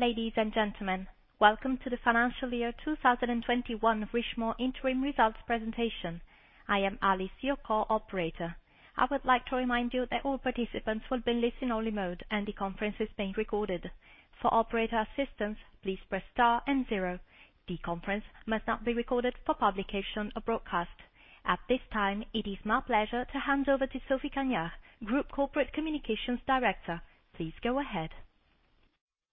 Ladies and gentlemen, welcome to the financial year 2021 Richemont interim results presentation. I am Alice, your call operator. I would like to remind you that all participants will be in listen-only mode, and the conference is being recorded. For operator assistance, please press star and zero. The conference must not be recorded for publication or broadcast. At this time, it is my pleasure to hand over to Sophie Cagnard, Group Corporate Communications Director. Please go ahead.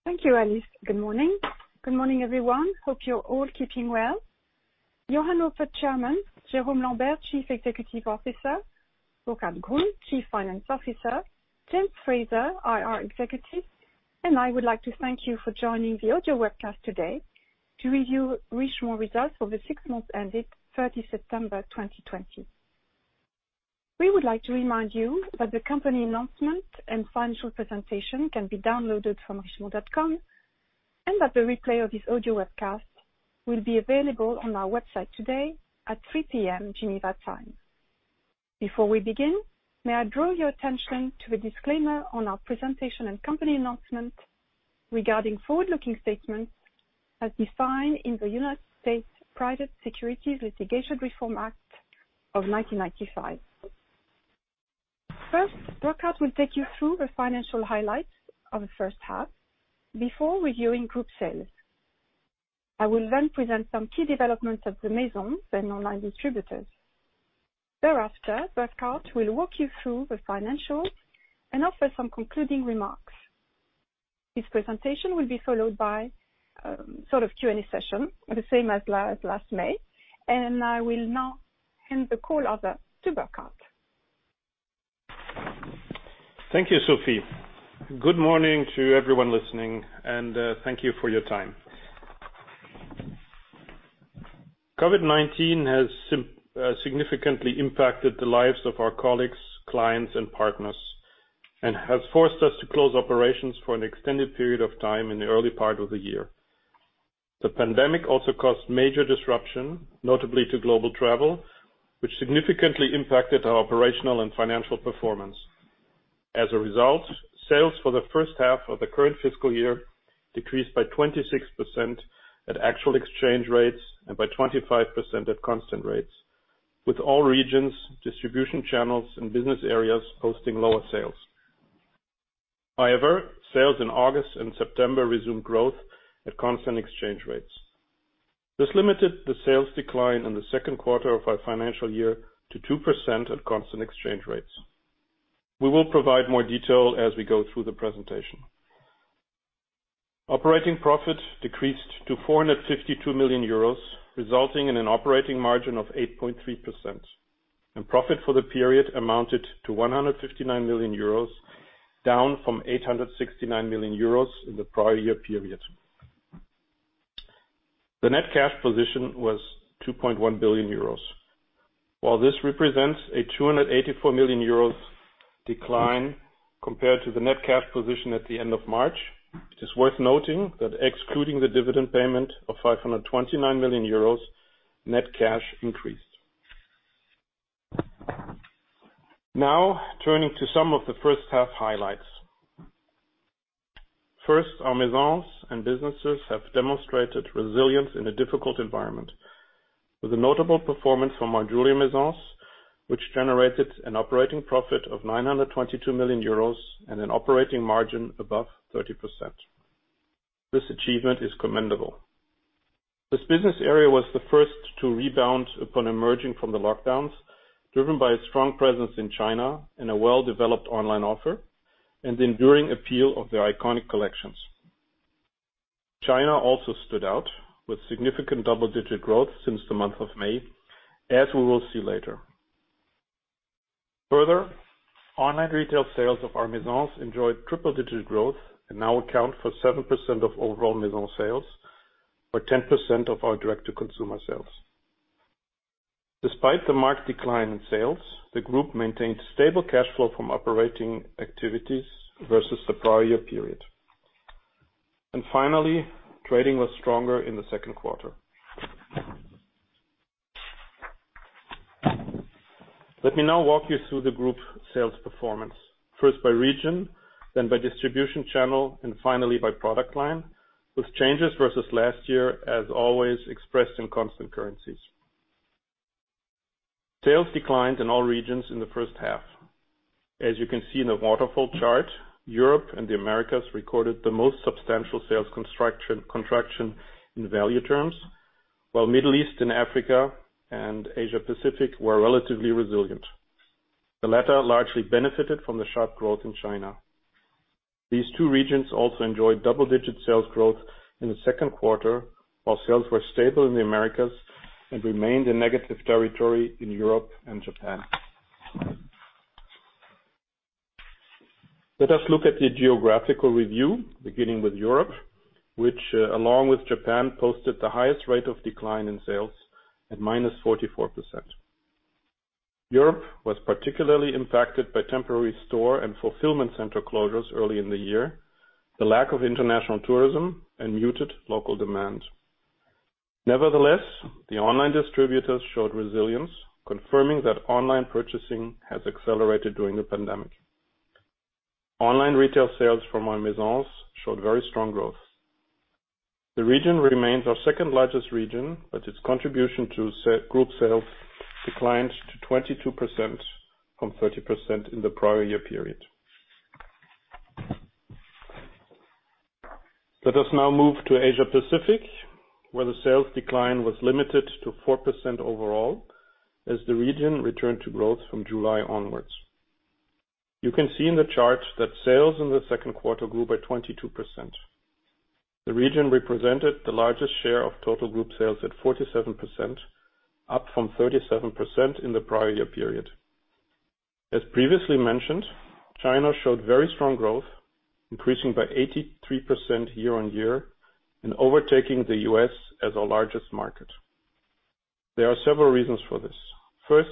Thank you, Alice. Good morning. Good morning, everyone. Hope you're all keeping well. Johann Rupert, Chairman, Jérôme Lambert, Chief Executive Officer, Burkhart Grund, Chief Finance Officer, James Fraser, IR Executive, and I would like to thank you for joining the audio webcast today to review Richemont results for the six months ended September 30, 2020. We would like to remind you that the company announcement and financial presentation can be downloaded from richemont.com, and that the replay of this audio webcast will be available on our website today at 3:00 P.M. Geneva time. Before we begin, may I draw your attention to the disclaimer on our presentation and company announcement regarding forward-looking statements as defined in the U.S. Private Securities Litigation Reform Act of 1995. First, Burkhart will take you through the financial highlights of the first half before reviewing group sales. I will then present some key developments of the Maison, then online distributors. Thereafter, Burkhart will walk you through the financials and offer some concluding remarks. This presentation will be followed by a sort of Q&A session, the same as last May, and I will now hand the call over to Burkhart. Thank you, Sophie. Good morning to everyone listening, and thank you for your time. COVID-19 has significantly impacted the lives of our colleagues, clients, and partners, has forced us to close operations for an extended period of time in the early part of the year. The pandemic also caused major disruption, notably to global travel, which significantly impacted our operational and financial performance. As a result, sales for the first half of the current fiscal year decreased by 26% at actual exchange rates and by 25% at constant rates, with all regions, distribution channels, and business areas posting lower sales. However, sales in August and September resumed growth at constant exchange rates. This limited the sales decline in the second quarter of our financial year to 2% at constant exchange rates. We will provide more detail as we go through the presentation. Operating profit decreased to 452 million euros, resulting in an operating margin of 8.3%. Profit for the period amounted to 159 million euros, down from 869 million euros in the prior year period. The net cash position was 2.1 billion euros. While this represents a 284 million euros decline compared to the net cash position at the end of March, it is worth noting that excluding the dividend payment of 529 million euros, net cash increased. Turning to some of the first half highlights. First, our Maisons and businesses have demonstrated resilience in a difficult environment with a notable performance from our Jewelry Maisons, which generated an operating profit of 922 million euros and an operating margin above 30%. This achievement is commendable. This business area was the first to rebound upon emerging from the lockdowns, driven by a strong presence in China and a well-developed online offer, and the enduring appeal of their iconic collections. China also stood out with significant double-digit growth since the month of May, as we will see later. Online retail sales of our Maisons enjoyed triple-digit growth and now account for 7% of overall Maison sales or 10% of our direct-to-consumer sales. Despite the marked decline in sales, the group maintained stable cash flow from operating activities versus the prior year period. Finally, trading was stronger in the second quarter. Let me now walk you through the group sales performance, first by region, then by distribution channel, and finally by product line, with changes versus last year, as always, expressed in constant currencies. Sales declined in all regions in the first half. As you can see in the waterfall chart, Europe and the Americas recorded the most substantial sales contraction in value terms, while Middle East and Africa and Asia Pacific were relatively resilient. The latter largely benefited from the sharp growth in China. These two regions also enjoyed double-digit sales growth in the second quarter, while sales were stable in the Americas and remained in negative territory in Europe and Japan. Let us look at the geographical review, beginning with Europe, which, along with Japan, posted the highest rate of decline in sales at -44%. Europe was particularly impacted by temporary store and fulfillment center closures early in the year, the lack of international tourism, and muted local demand. The online distributors showed resilience, confirming that online purchasing has accelerated during the pandemic. Online retail sales from our Maisons showed very strong growth. The region remains our second-largest region, its contribution to group sales declined to 22% from 30% in the prior year period. Let us now move to Asia Pacific, where the sales decline was limited to 4% overall as the region returned to growth from July onwards. You can see in the chart that sales in the second quarter grew by 22%. The region represented the largest share of total group sales at 47%, up from 37% in the prior year period. As previously mentioned, China showed very strong growth, increasing by 83% year-on-year and overtaking the U.S. as our largest market. There are several reasons for this. First,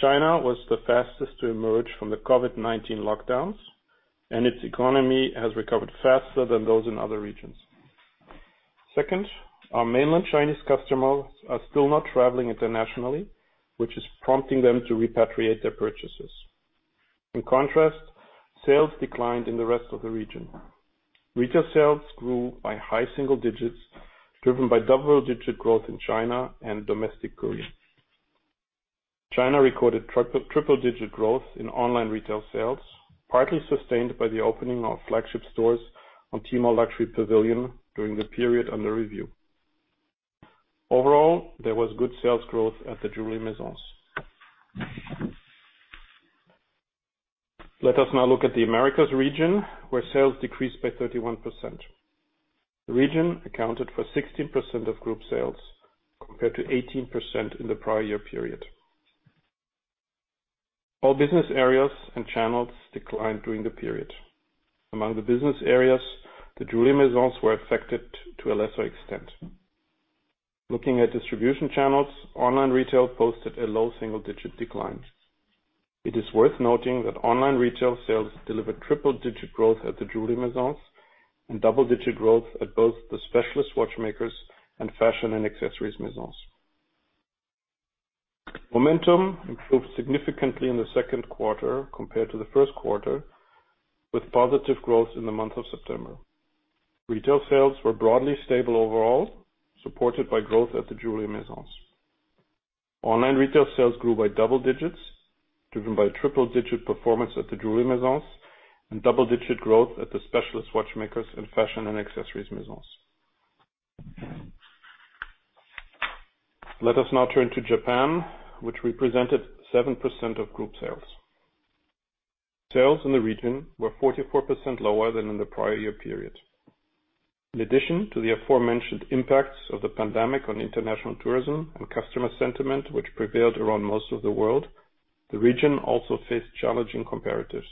China was the fastest to emerge from the COVID-19 lockdowns, and its economy has recovered faster than those in other regions. Second, our mainland Chinese customers are still not traveling internationally, which is prompting them to repatriate their purchases. In contrast, sales declined in the rest of the region. Retail sales grew by high single digits, driven by double-digit growth in China and domestic Korea. China recorded triple-digit growth in online retail sales, partly sustained by the opening of flagship stores on Tmall Luxury Pavilion during the period under review. Overall, there was good sales growth at the Jewelry Maisons. Let us now look at the Americas region, where sales decreased by 31%. The region accounted for 16% of group sales, compared to 18% in the prior year period. All business areas and channels declined during the period. Among the business areas, the Jewelry Maisons were affected to a lesser extent. Looking at distribution channels, online retail posted a low single-digit decline. It is worth noting that online retail sales delivered triple-digit growth at the Jewelry Maisons and double-digit growth at both the specialist watchmakers and fashion and accessories Maisons. Momentum improved significantly in the second quarter compared to the first quarter, with positive growth in the month of September. Retail sales were broadly stable overall, supported by growth at the Jewelry Maisons. Online retail sales grew by double digits, driven by triple-digit performance at the Jewelry Maisons and double-digit growth at the specialist watchmakers and fashion and accessories Maisons. Let us now turn to Japan, which represented 7% of group sales. Sales in the region were 44% lower than in the prior year period. In addition to the aforementioned impacts of the pandemic on international tourism and customer sentiment, which prevailed around most of the world, the region also faced challenging comparatives.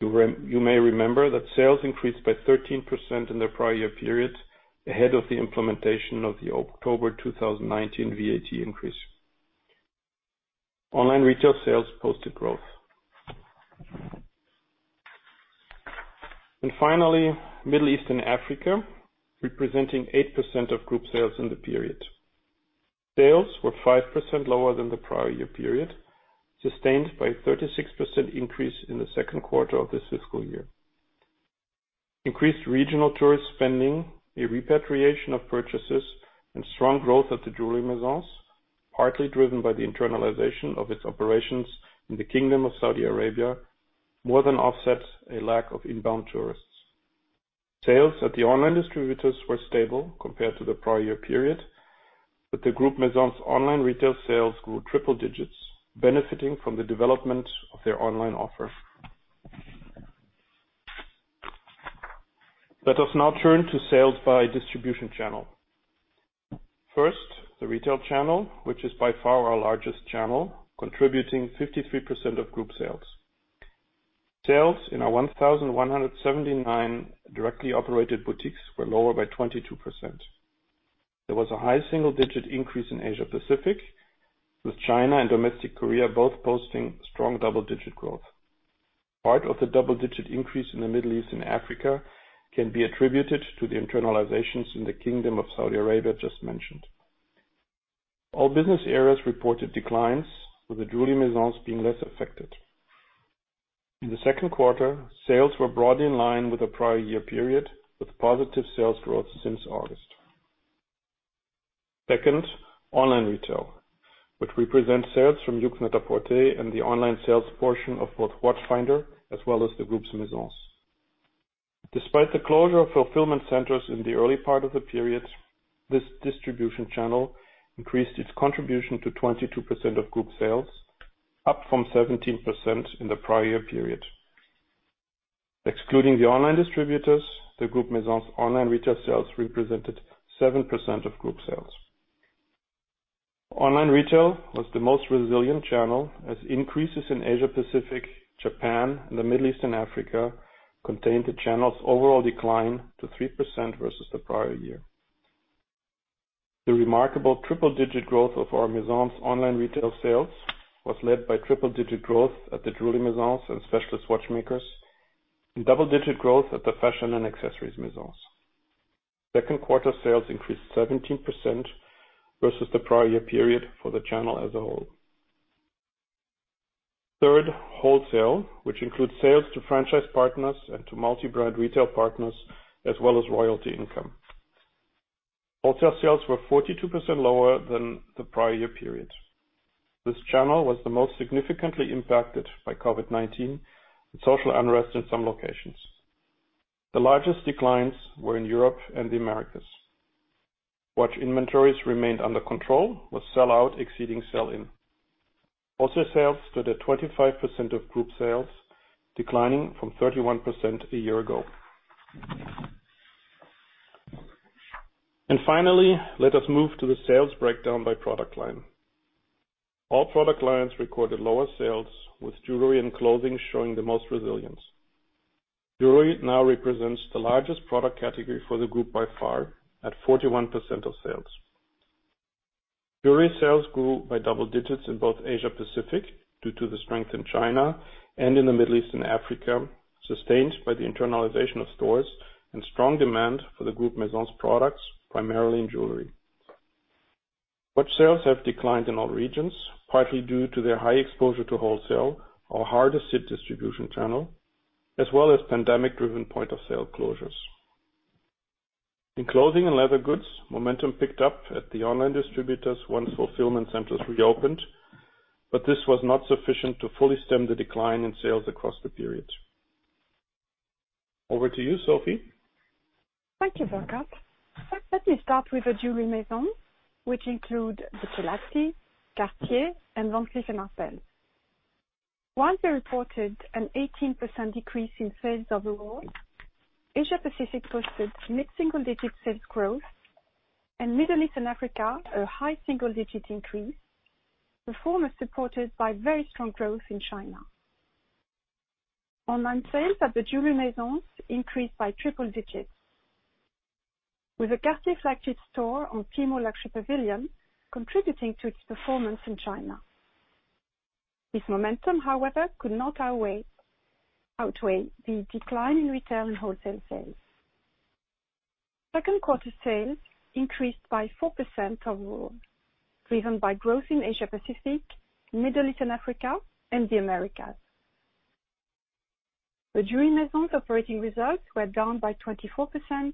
You may remember that sales increased by 13% in the prior year period ahead of the implementation of the October 2019 VAT increase. Online retail sales posted growth. Finally, Middle East and Africa, representing 8% of group sales in the period. Sales were 5% lower than the prior year period, sustained by a 36% increase in the second quarter of this fiscal year. Increased regional tourist spending, a repatriation of purchases, and strong growth at the Jewelry Maisons, partly driven by the internalization of its operations in the Kingdom of Saudi Arabia, more than offset a lack of inbound tourists. Sales at the online distributors were stable compared to the prior year period, the group Maisons' online retail sales grew triple digits, benefiting from the development of their online offer. Let us now turn to sales by distribution channel. First, the retail channel, which is by far our largest channel, contributing 53% of group sales. Sales in our 1,179 directly operated boutiques were lower by 22%. There was a high single-digit increase in Asia-Pacific, with China and domestic Korea both posting strong double-digit growth. Part of the double-digit increase in the Middle East and Africa can be attributed to the internalizations in the Kingdom of Saudi Arabia just mentioned. All business areas reported declines, with the jewelry Maisons being less affected. In the second quarter, sales were broadly in line with the prior year period, with positive sales growth since August. Second, online retail, which represents sales from Yoox Net-a-Porter and the online sales portion of both Watchfinder as well as the group's Maisons. Despite the closure of fulfillment centers in the early part of the period, this distribution channel increased its contribution to 22% of group sales, up from 17% in the prior year period. Excluding the online distributors, the group Maisons' online retail sales represented 7% of group sales. Online retail was the most resilient channel as increases in Asia-Pacific, Japan, and the Middle East and Africa contained the channel's overall decline to 3% versus the prior year. The remarkable triple-digit growth of our Maisons' online retail sales was led by triple-digit growth at the jewelry Maisons and specialist watchmakers. Double-digit growth at the fashion and accessories Maisons. Second quarter sales increased 17% versus the prior year period for the channel as a whole. Third, wholesale, which includes sales to franchise partners and to multi-brand retail partners, as well as royalty income. Wholesale sales were 42% lower than the prior year period. This channel was the most significantly impacted by COVID-19 and social unrest in some locations. The largest declines were in Europe and the Americas. Watch inventories remained under control, with sell-out exceeding sell-in. Sales stood at 25% of group sales, declining from 31% a year ago. Finally, let us move to the sales breakdown by product line. All product lines recorded lower sales, with jewelry and clothing showing the most resilience. Jewelry now represents the largest product category for the group by far, at 41% of sales. Jewelry sales grew by double digits in both Asia-Pacific, due to the strength in China, and in the Middle East and Africa, sustained by the internalization of stores and strong demand for the group Maisons products, primarily in jewelry. Watch sales have declined in all regions, partly due to their high exposure to wholesale, our hardest hit distribution channel, as well as pandemic-driven point-of-sale closures. In clothing and leather goods, momentum picked up at the online distributors once fulfillment centers reopened, but this was not sufficient to fully stem the decline in sales across the period. Over to you, Sophie. Thank you, Burkhart. Let me start with the Jewelry Maisons, which include Buccellati, Cartier, and Van Cleef & Arpels. While they reported an 18% decrease in sales overall, Asia-Pacific posted mid-single-digit sales growth, and Middle East and Africa, a high single-digit increase. The former supported by very strong growth in China. Online sales at the Jewelry Maisons increased by triple digits, with a Cartier flagship store on Tmall Luxury Pavilion contributing to its performance in China. This momentum, however, could not outweigh the decline in retail and wholesale sales. Second quarter sales increased by 4% overall, driven by growth in Asia-Pacific, Middle East and Africa, and the Americas. The Jewelry Maisons operating results were down by 24%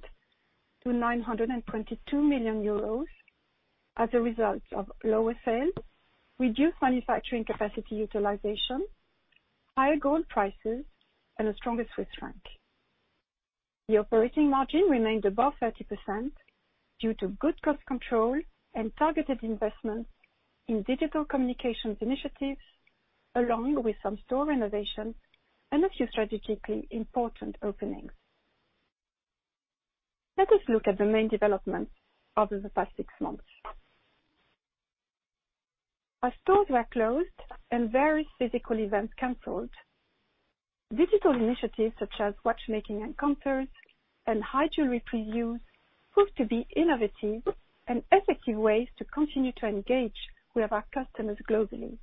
to 922 million euros as a result of lower sales, reduced manufacturing capacity utilization, higher gold prices, and a stronger Swiss franc. The operating margin remained above 30% due to good cost control and targeted investments in digital communications initiatives, along with some store renovation and a few strategically important openings. Let us look at the main developments over the past six months. As stores were closed and various physical events canceled, digital initiatives such as watchmaking encounters and high jewelry previews proved to be innovative and effective ways to continue to engage with our customers globally.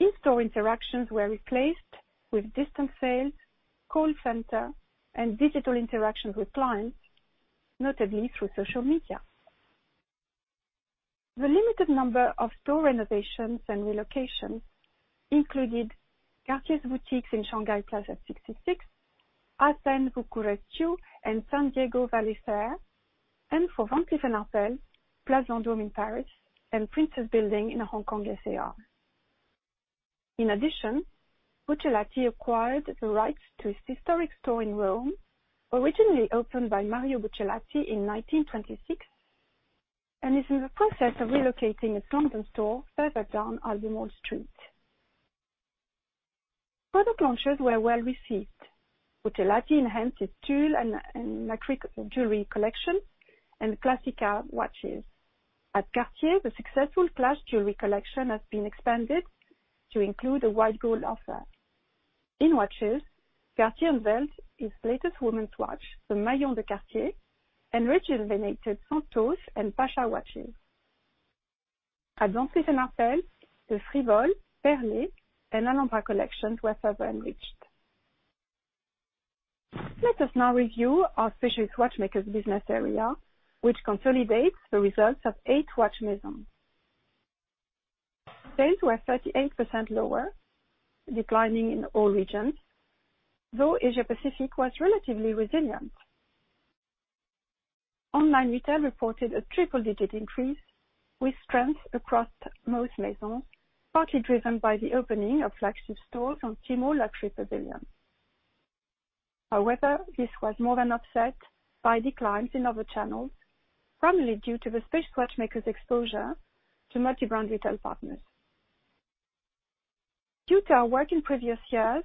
In-store interactions were replaced with distant sales, call center, and digital interactions with clients, notably through social media. The limited number of store renovations and relocations included Cartier's boutiques in Shanghai Plaza 66, Athens Voukourestiou, and San Diego Fashion Valley, and for Van Cleef & Arpels, Place Vendôme in Paris and Prince's Building in Hong Kong S.A.R. In addition, Buccellati acquired the rights to its historic store in Rome, originally opened by Mario Buccellati in 1926, and is in the process of relocating its London store further down Albemarle Street. Product launches were well received. Buccellati enhanced its Tulle and Macri jewelry collection and Macri Classica watches. At Cartier, the successful Clash jewelry collection has been expanded to include a white gold offer. In watches, Cartier unveiled its latest women's watch, the Maillon de Cartier, and rejuvenated Santos and Pasha watches. At Van Cleef & Arpels, the Frivole, Perlée, and Alhambra collections were further enriched. Let us now review our specialist watchmakers business area, which consolidates the results of 8 watch Maisons. Sales were 38% lower, declining in all regions, though Asia-Pacific was relatively resilient. Online retail reported a triple-digit increase, with strength across most Maisons, partly driven by the opening of flagship stores on Tmall Luxury Pavilion. This was more than offset by declines in other channels, primarily due to the specialist watchmakers exposure to multi-brand retail partners. Due to our work in previous years,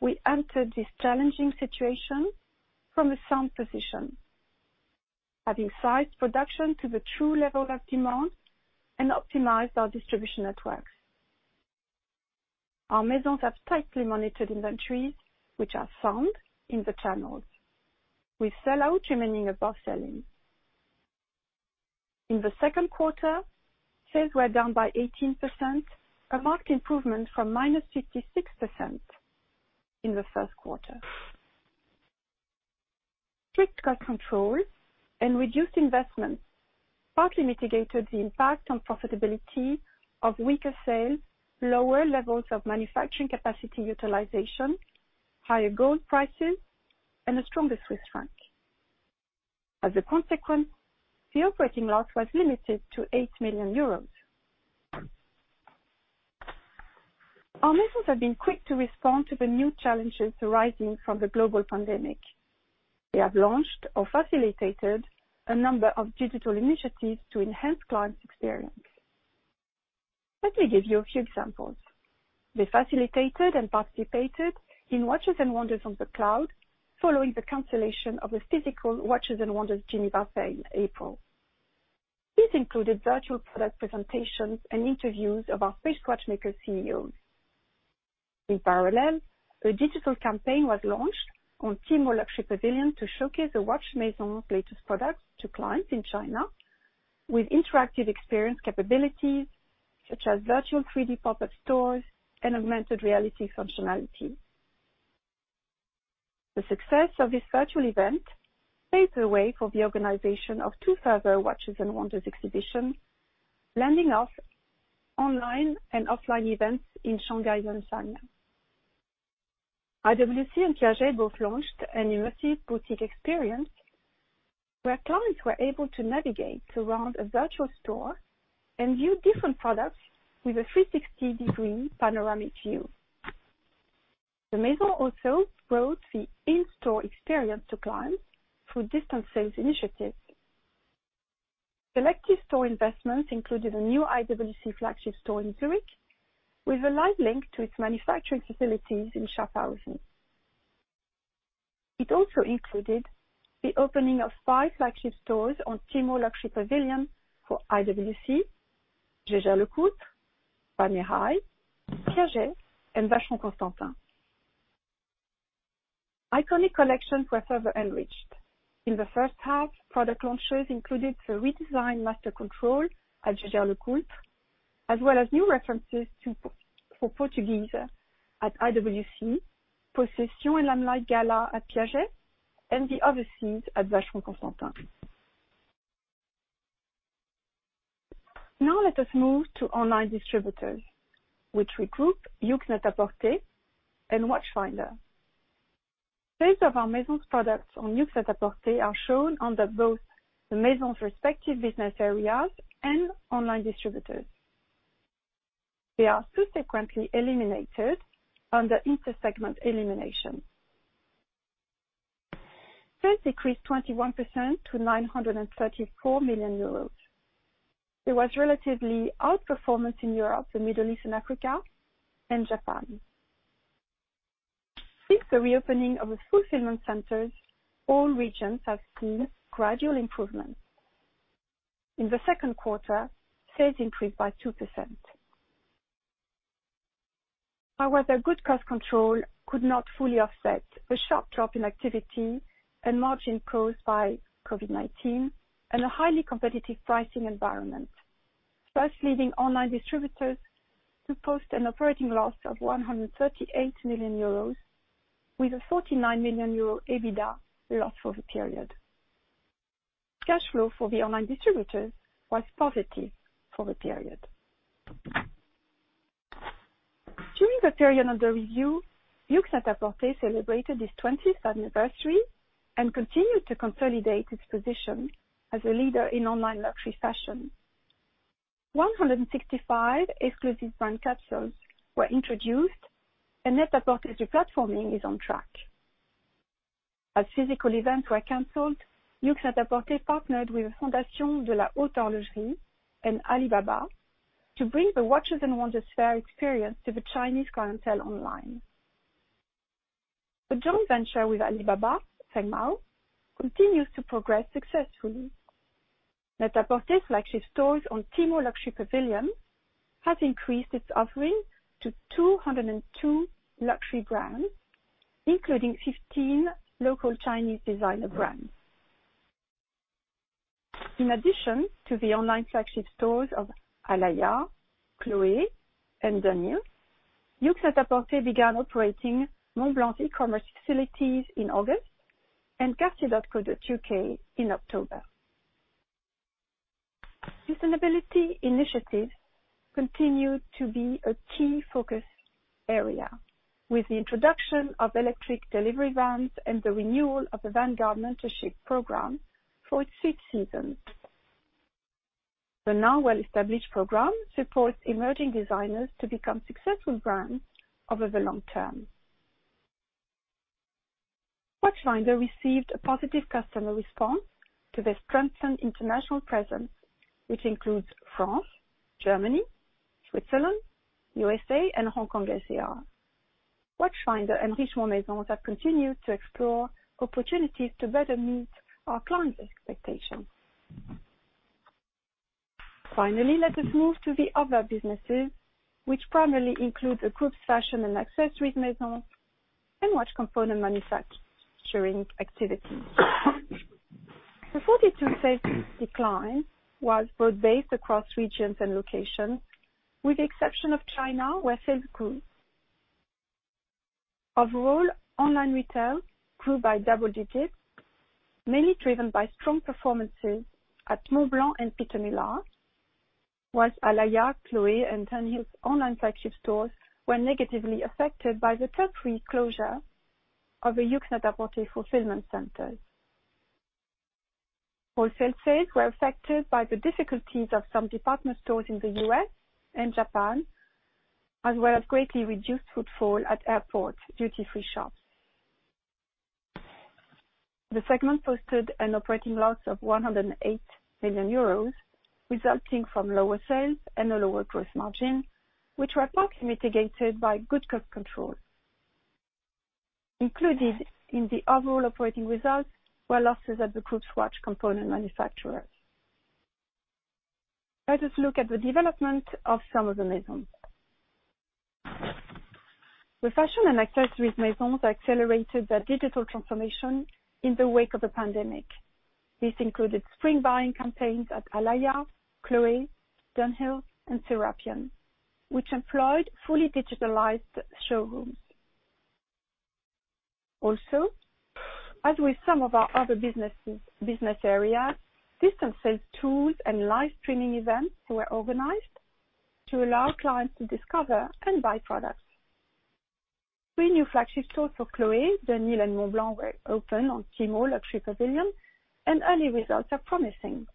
we entered this challenging situation from a sound position, having sized production to the true level of demand and optimized our distribution networks. Our Maisons have tightly monitored inventories, which are sound in the channels, with sell-out remaining above sell-in. In the second quarter, sales were down by 18%, a marked improvement from -56% in the first quarter. Strict cost control and reduced investments partly mitigated the impact on profitability of weaker sales, lower levels of manufacturing capacity utilization, higher gold prices, and a stronger Swiss franc. As a consequence, the operating loss was limited to 8 million euros. Our Maisons have been quick to respond to the new challenges arising from the global pandemic. They have launched or facilitated a number of digital initiatives to enhance client experience. Let me give you a few examples. They facilitated and participated in Watches and Wonders on the cloud following the cancellation of the physical Watches and Wonders Geneva fair in April. This included virtual product presentations and interviews of our Swiss watchmaker CEOs. In parallel, a digital campaign was launched on Tmall Luxury Pavilion to showcase the watch Maison latest product to clients in China with interactive experience capabilities such as virtual 3D pop-up stores and augmented reality functionality. The success of this virtual event paved the way for the organization of two further Watches and Wonders exhibitions, blending online and offline events in Shanghai and Shenzhen. IWC and Piaget both launched an immersive boutique experience where clients were able to navigate around a virtual store and view different products with a 360-degree panoramic view. The Maison also brought the in-store experience to clients through distance sales initiatives. Selective store investments included a new IWC flagship store in Zurich with a live link to its manufacturing facilities in Schaffhausen. It also included the opening of five flagship stores on Tmall Luxury Pavilion for IWC, Jaeger-LeCoultre, Panerai, Piaget, and Vacheron Constantin. Iconic collections were further enriched. In the first half, product launches included the redesigned Master Control at Jaeger-LeCoultre, as well as new references for Portugieser at IWC, Possession and Limelight Gala at Piaget, and the Overseas at Vacheron Constantin. Let us move to online distributors, which we group Yoox Net-a-Porter and Watchfinder. Sales of our Maison products on Yoox Net-a-Porter are shown under both the Maison's respective business areas and online distributors. They are subsequently eliminated under intersegment elimination. Sales decreased 21% to 934 million euros. There was relatively outperformance in Europe, the Middle East and Africa and Japan. Since the reopening of the fulfillment centers, all regions have seen gradual improvements. In the second quarter, sales increased by 2%. Good cost control could not fully offset the sharp drop in activity and margin caused by COVID-19 and a highly competitive pricing environment, thus leaving online distributors to post an operating loss of 138 million euros with a 39 million euro EBITDA loss for the period. Cash flow for the online distributors was positive for the period. During the period under review, Yoox Net-a-Porter celebrated its 20th anniversary and continued to consolidate its position as a leader in online luxury fashion. 165 exclusive brand capsules were introduced, NET-A-PORTER re-platforming is on track. As physical events were canceled, Yoox Net-a-Porter partnered with the Fondation de la Haute Horlogerie and Alibaba to bring the Watches & Wonders experience to the Chinese clientele online. The joint venture with Alibaba, Feng Mao, continues to progress successfully. Net-a-Porter flagship stores on Tmall Luxury Pavilion has increased its offering to 202 luxury brands, including 15 local Chinese designer brands. In addition to the online flagship stores of Alaïa, Chloé, and Dunhill, Yoox Net-a-Porter began operating Montblanc e-commerce facilities in August and cartier.co.uk in October. Sustainability initiatives continue to be a key focus area with the introduction of electric delivery vans and the renewal of the Vanguard mentorship program for its sixth season. The now well-established program supports emerging designers to become successful brands over the long term. Watchfinder received a positive customer response to their strengthened international presence, which includes France, Germany, Switzerland, USA, and Hong Kong SAR. Watchfinder and Richemont Maisons have continued to explore opportunities to better meet our clients' expectations. Let us move to the other businesses, which primarily include the group's fashion and accessories Maisons and watch component manufacturing activities. The 42% sales decline was broad-based across regions and locations, with the exception of China, where sales grew. Overall, online retail grew by double digits, mainly driven by strong performances at Montblanc and Peter Millar, whilst Alaïa, Chloé, and Dunhill's online flagship stores were negatively affected by the temporary closure of the Yoox Net-a-Porter fulfillment centers. Wholesale sales were affected by the difficulties of some department stores in the U.S. and Japan, as well as greatly reduced footfall at airport duty-free shops. The segment posted an operating loss of 108 million euros, resulting from lower sales and a lower gross margin, which were partly mitigated by good cost control. Included in the overall operating results were losses at the group's watch component manufacturers. Let us look at the development of some of the Maisons. The fashion and accessories Maisons accelerated their digital transformation in the wake of the pandemic. This included spring buying campaigns at Alaïa, Chloé, Dunhill, and Serapian, which employed fully digitalized showrooms. As with some of our other business areas, distance sales tools and live streaming events were organized to allow clients to discover and buy products. Three new flagship stores for Chloé, Dunhill, and Montblanc were opened on Tmall Luxury Pavilion, and early results are promising.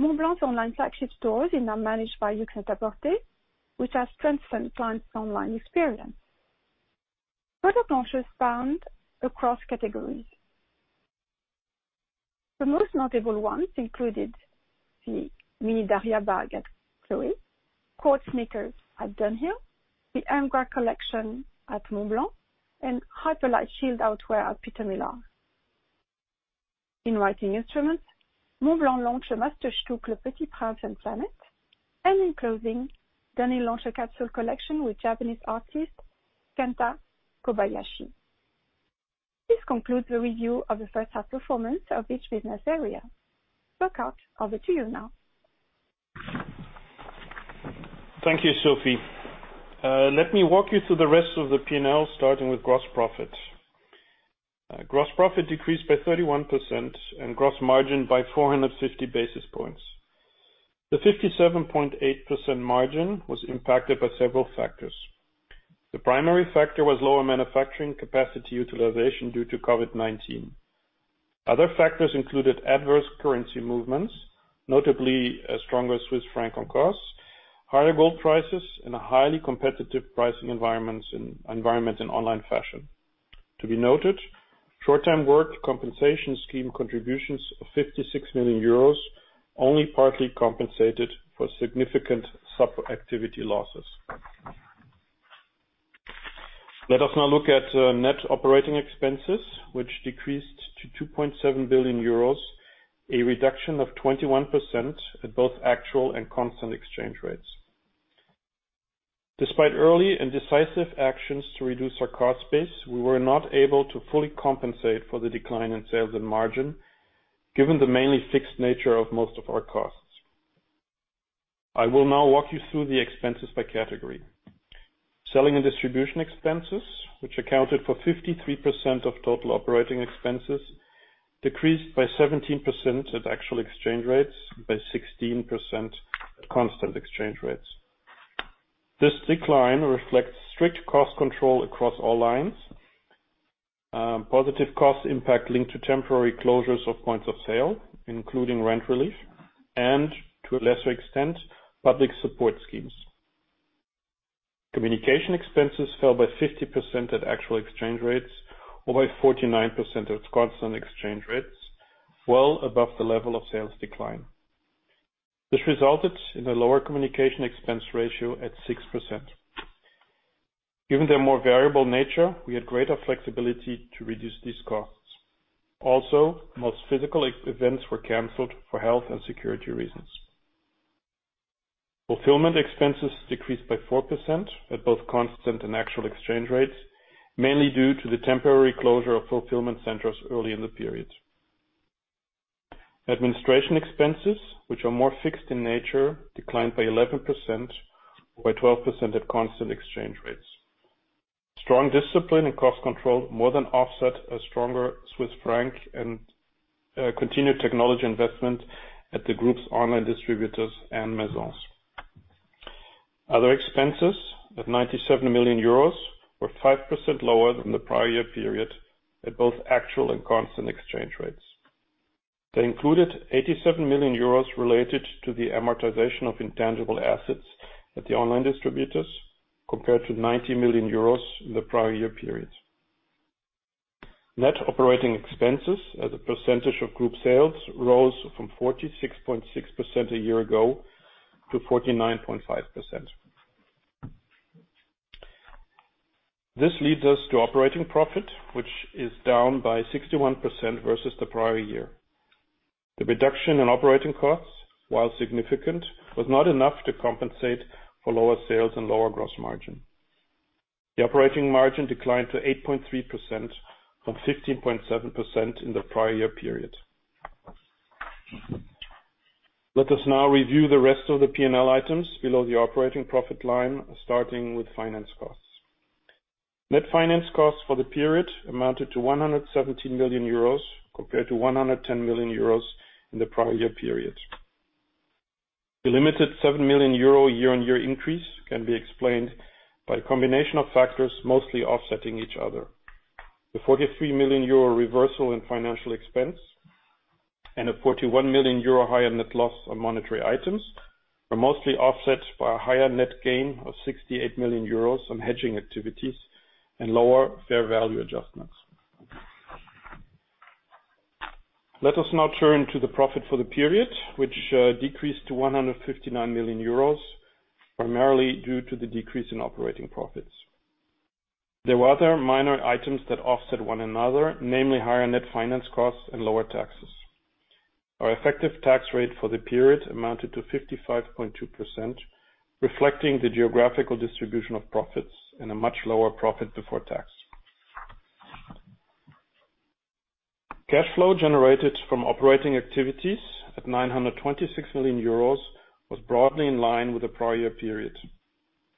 Montblanc's online flagship stores are now managed by Yoox Net-a-Porter, which has transformed clients' online experience. Product launches spanned across categories. The most notable ones included the Mini Darryl bag at Chloé, Court sneakers at Dunhill, the Muses collection at Montblanc, and Hyperlight Shield outerwear at Peter Millar. In writing instruments, Montblanc launched a Meisterstück Le Petit Prince and Planet. In closing, Dunhill launched a capsule collection with Japanese artist Kenta Kobayashi. This concludes the review of the first half performance of each business area. Burkhart, over to you now. Thank you, Sophie. Let me walk you through the rest of the P&L, starting with gross profit. Gross profit decreased by 31%, and gross margin by 450 basis points. The 57.8% margin was impacted by several factors. The primary factor was lower manufacturing capacity utilization due to COVID-19. Other factors included adverse currency movements, notably a stronger Swiss franc on costs, higher gold prices, and a highly competitive pricing environment in online fashion. To be noted, short-term work compensation scheme contributions of 56 million euros only partly compensated for significant sub-activity losses. Let us now look at net operating expenses, which decreased to 2.7 billion euros, a reduction of 21% at both actual and constant exchange rates. Despite early and decisive actions to reduce our cost base, we were not able to fully compensate for the decline in sales and margin, given the mainly fixed nature of most of our costs. I will now walk you through the expenses by category. Selling and distribution expenses, which accounted for 53% of total operating expenses, decreased by 17% at actual exchange rates, by 16% at constant exchange rates. This decline reflects strict cost control across all lines, positive cost impact linked to temporary closures of points of sale, including rent relief, and to a lesser extent, public support schemes. Communication expenses fell by 50% at actual exchange rates or by 49% at constant exchange rates, well above the level of sales decline. This resulted in a lower communication expense ratio at 6%. Given their more variable nature, we had greater flexibility to reduce these costs. Most physical events were canceled for health and security reasons. Fulfillment expenses decreased by 4% at both constant and actual exchange rates, mainly due to the temporary closure of fulfillment centers early in the period. Administration expenses, which are more fixed in nature, declined by 11%, or by 12% at constant exchange rates. Strong discipline and cost control more than offset a stronger Swiss franc and continued technology investment at the group's online distributors and Maisons. Other expenses of 97 million euros were 5% lower than the prior year period at both actual and constant exchange rates. They included 87 million euros related to the amortization of intangible assets at the online distributors, compared to 90 million euros in the prior year period. Net operating expenses as a percentage of group sales rose from 46.6% a year ago to 49.5%. This leads us to operating profit, which is down by 61% versus the prior year. The reduction in operating costs, while significant, was not enough to compensate for lower sales and lower gross margin. The operating margin declined to 8.3% from 15.7% in the prior year period. Let us now review the rest of the P&L items below the operating profit line, starting with finance costs. Net finance costs for the period amounted to 117 million euros compared to 110 million euros in the prior year period. The limited 7 million euro year-on-year increase can be explained by a combination of factors mostly offsetting each other. The 43 million euro reversal in financial expense and a 41 million euro higher net loss on monetary items are mostly offset by a higher net gain of 68 million euros on hedging activities and lower fair value adjustments. Let us now turn to the profit for the period, which decreased to 159 million euros, primarily due to the decrease in operating profits. There were other minor items that offset one another, namely higher net finance costs and lower taxes. Our effective tax rate for the period amounted to 55.2%, reflecting the geographical distribution of profits and a much lower profit before tax. Cash flow generated from operating activities at 926 million euros was broadly in line with the prior year period.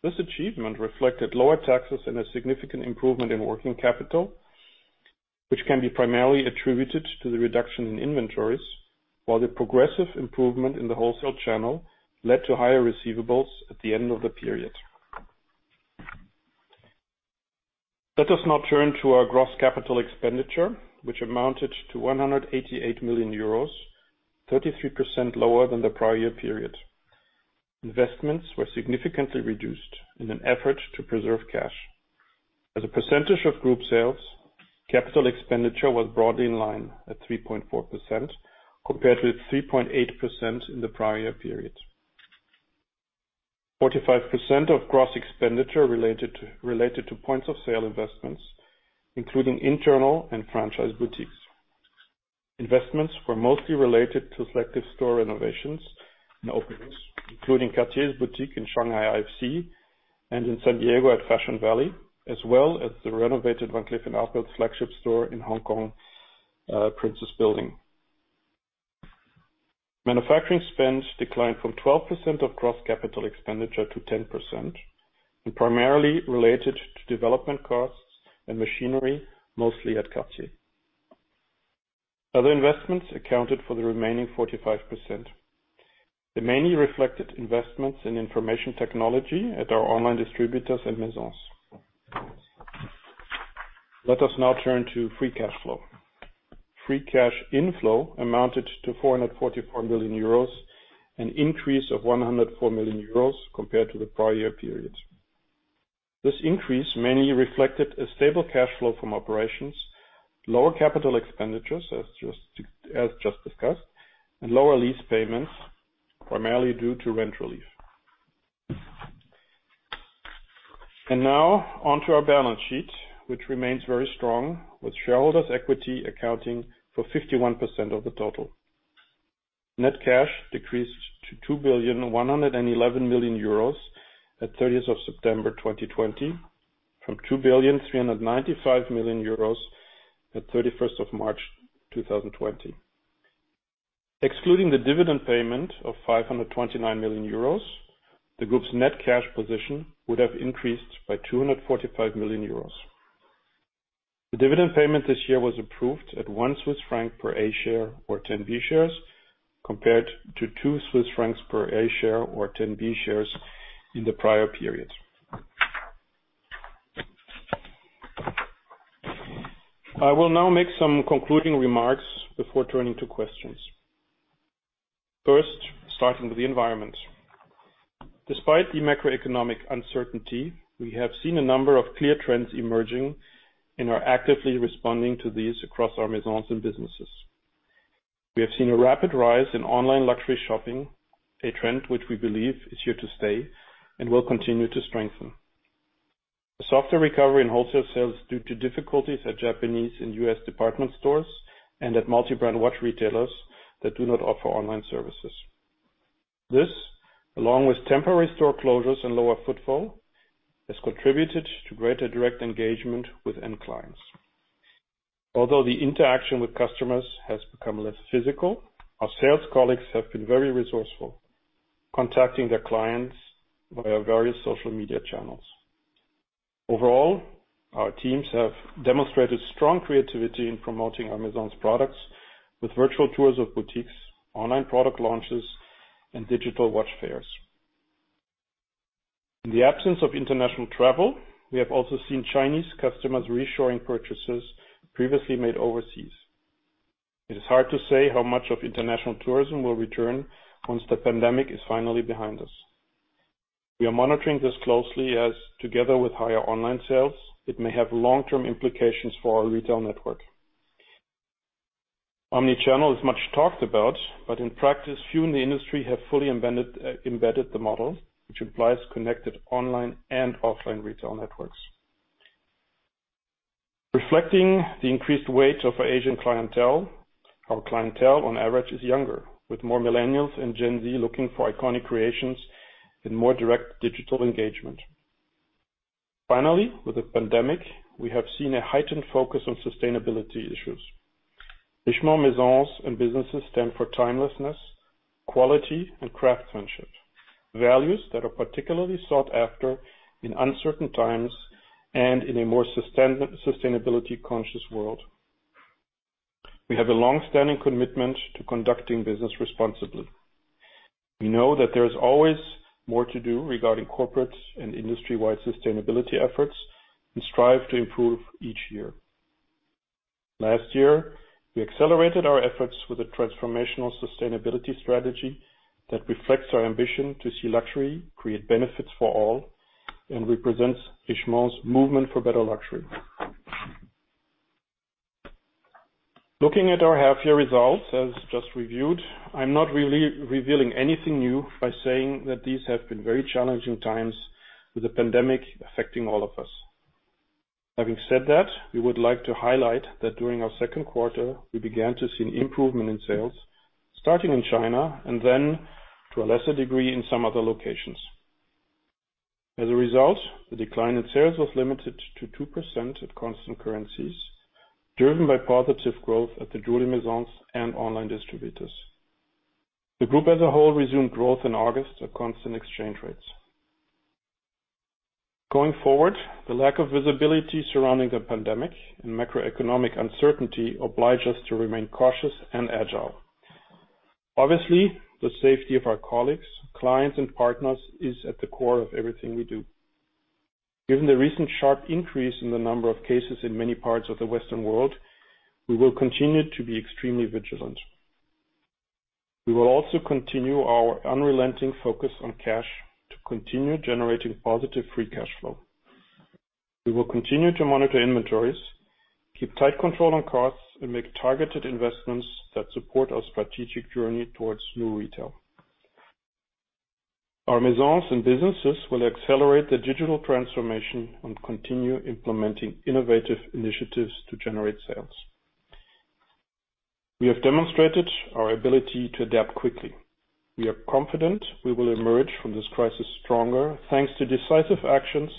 This achievement reflected lower taxes and a significant improvement in working capital, which can be primarily attributed to the reduction in inventories, while the progressive improvement in the wholesale channel led to higher receivables at the end of the period. Let us now turn to our gross CapEx, which amounted to 188 million euros, 33% lower than the prior year period. Investments were significantly reduced in an effort to preserve cash. As a percentage of group sales, CapEx was broadly in line at 3.4%, compared with 3.8% in the prior year period. 45% of gross expenditure related to points of sale investments, including internal and franchise boutiques. Investments were mostly related to selective store renovations and openings, including Cartier's boutique in Shanghai IFC and in San Diego Fashion Valley, as well as the renovated Van Cleef & Arpels flagship store in Hong Kong, Prince's Building. Manufacturing spends declined from 12% of gross capital expenditure to 10%, and primarily related to development costs and machinery, mostly at Cartier. Other investments accounted for the remaining 45%. They mainly reflected investments in information technology at our online distributors and Maisons. Let us now turn to free cash flow. Free cash inflow amounted to 444 million euros, an increase of 104 million euros compared to the prior year period. This increase mainly reflected a stable cash flow from operations, lower capital expenditures as just discussed, and lower lease payments, primarily due to rent relief. Now onto our balance sheet, which remains very strong with shareholders' equity accounting for 51% of the total. Net cash decreased to 2,111,000,000 euros at September 30th, 2020 from 2,395,000,000 euros at 31st of March 2020. Excluding the dividend payment of 529 million euros, the group's net cash position would have increased by 245 million euros. The dividend payment this year was approved at 1 Swiss franc per A share or 10 B shares, compared to 2 Swiss francs per A share or 10 B shares in the prior period. I will now make some concluding remarks before turning to questions. Starting with the environment. Despite the macroeconomic uncertainty, we have seen a number of clear trends emerging and are actively responding to these across our Maisons and businesses. We have seen a rapid rise in online luxury shopping, a trend which we believe is here to stay and will continue to strengthen. A softer recovery in wholesale sales due to difficulties at Japanese and U.S. department stores and at multi-brand watch retailers that do not offer online services. This, along with temporary store closures and lower footfall, has contributed to greater direct engagement with end clients. Although the interaction with customers has become less physical, our sales colleagues have been very resourceful, contacting their clients via various social media channels. Overall, our teams have demonstrated strong creativity in promoting our Maisons' products with virtual tours of boutiques, online product launches, and digital watch fairs. In the absence of international travel, we have also seen Chinese customers reshoring purchases previously made overseas. It is hard to say how much of international tourism will return once the pandemic is finally behind us. We are monitoring this closely as, together with higher online sales, it may have long-term implications for our retail network. Omnichannel is much talked about, but in practice, few in the industry have fully embedded the model, which implies connected online and offline retail networks. Reflecting the increased weight of our Asian clientele, our clientele on average is younger, with more millennials and Gen Z looking for iconic creations and more direct digital engagement. Finally, with the pandemic, we have seen a heightened focus on sustainability issues. Richemont Maisons and businesses stand for timelessness, quality, and craftsmanship, values that are particularly sought after in uncertain times and in a more sustainability-conscious world. We have a long-standing commitment to conducting business responsibly. We know that there is always more to do regarding corporate and industry-wide sustainability efforts and strive to improve each year. Last year, we accelerated our efforts with a transformational sustainability strategy that reflects our ambition to see luxury create benefits for all and represents Richemont's movement for better luxury. Looking at our half-year results as just reviewed, I'm not really revealing anything new by saying that these have been very challenging times, with the pandemic affecting all of us. Having said that, we would like to highlight that during our second quarter, we began to see an improvement in sales starting in China and then to a lesser degree in some other locations. As a result, the decline in sales was limited to 2% at constant currencies, driven by positive growth at the Jewelry Maisons and online distributors. The group as a whole resumed growth in August at constant exchange rates. Going forward, the lack of visibility surrounding the pandemic and macroeconomic uncertainty oblige us to remain cautious and agile. Obviously, the safety of our colleagues, clients, and partners is at the core of everything we do. Given the recent sharp increase in the number of cases in many parts of the Western world, we will continue to be extremely vigilant. We will also continue our unrelenting focus on cash to continue generating positive free cash flow. We will continue to monitor inventories, keep tight control on costs, and make targeted investments that support our strategic journey towards new retail. Our Maisons and businesses will accelerate their digital transformation and continue implementing innovative initiatives to generate sales. We have demonstrated our ability to adapt quickly. We are confident we will emerge from this crisis stronger, thanks to decisive actions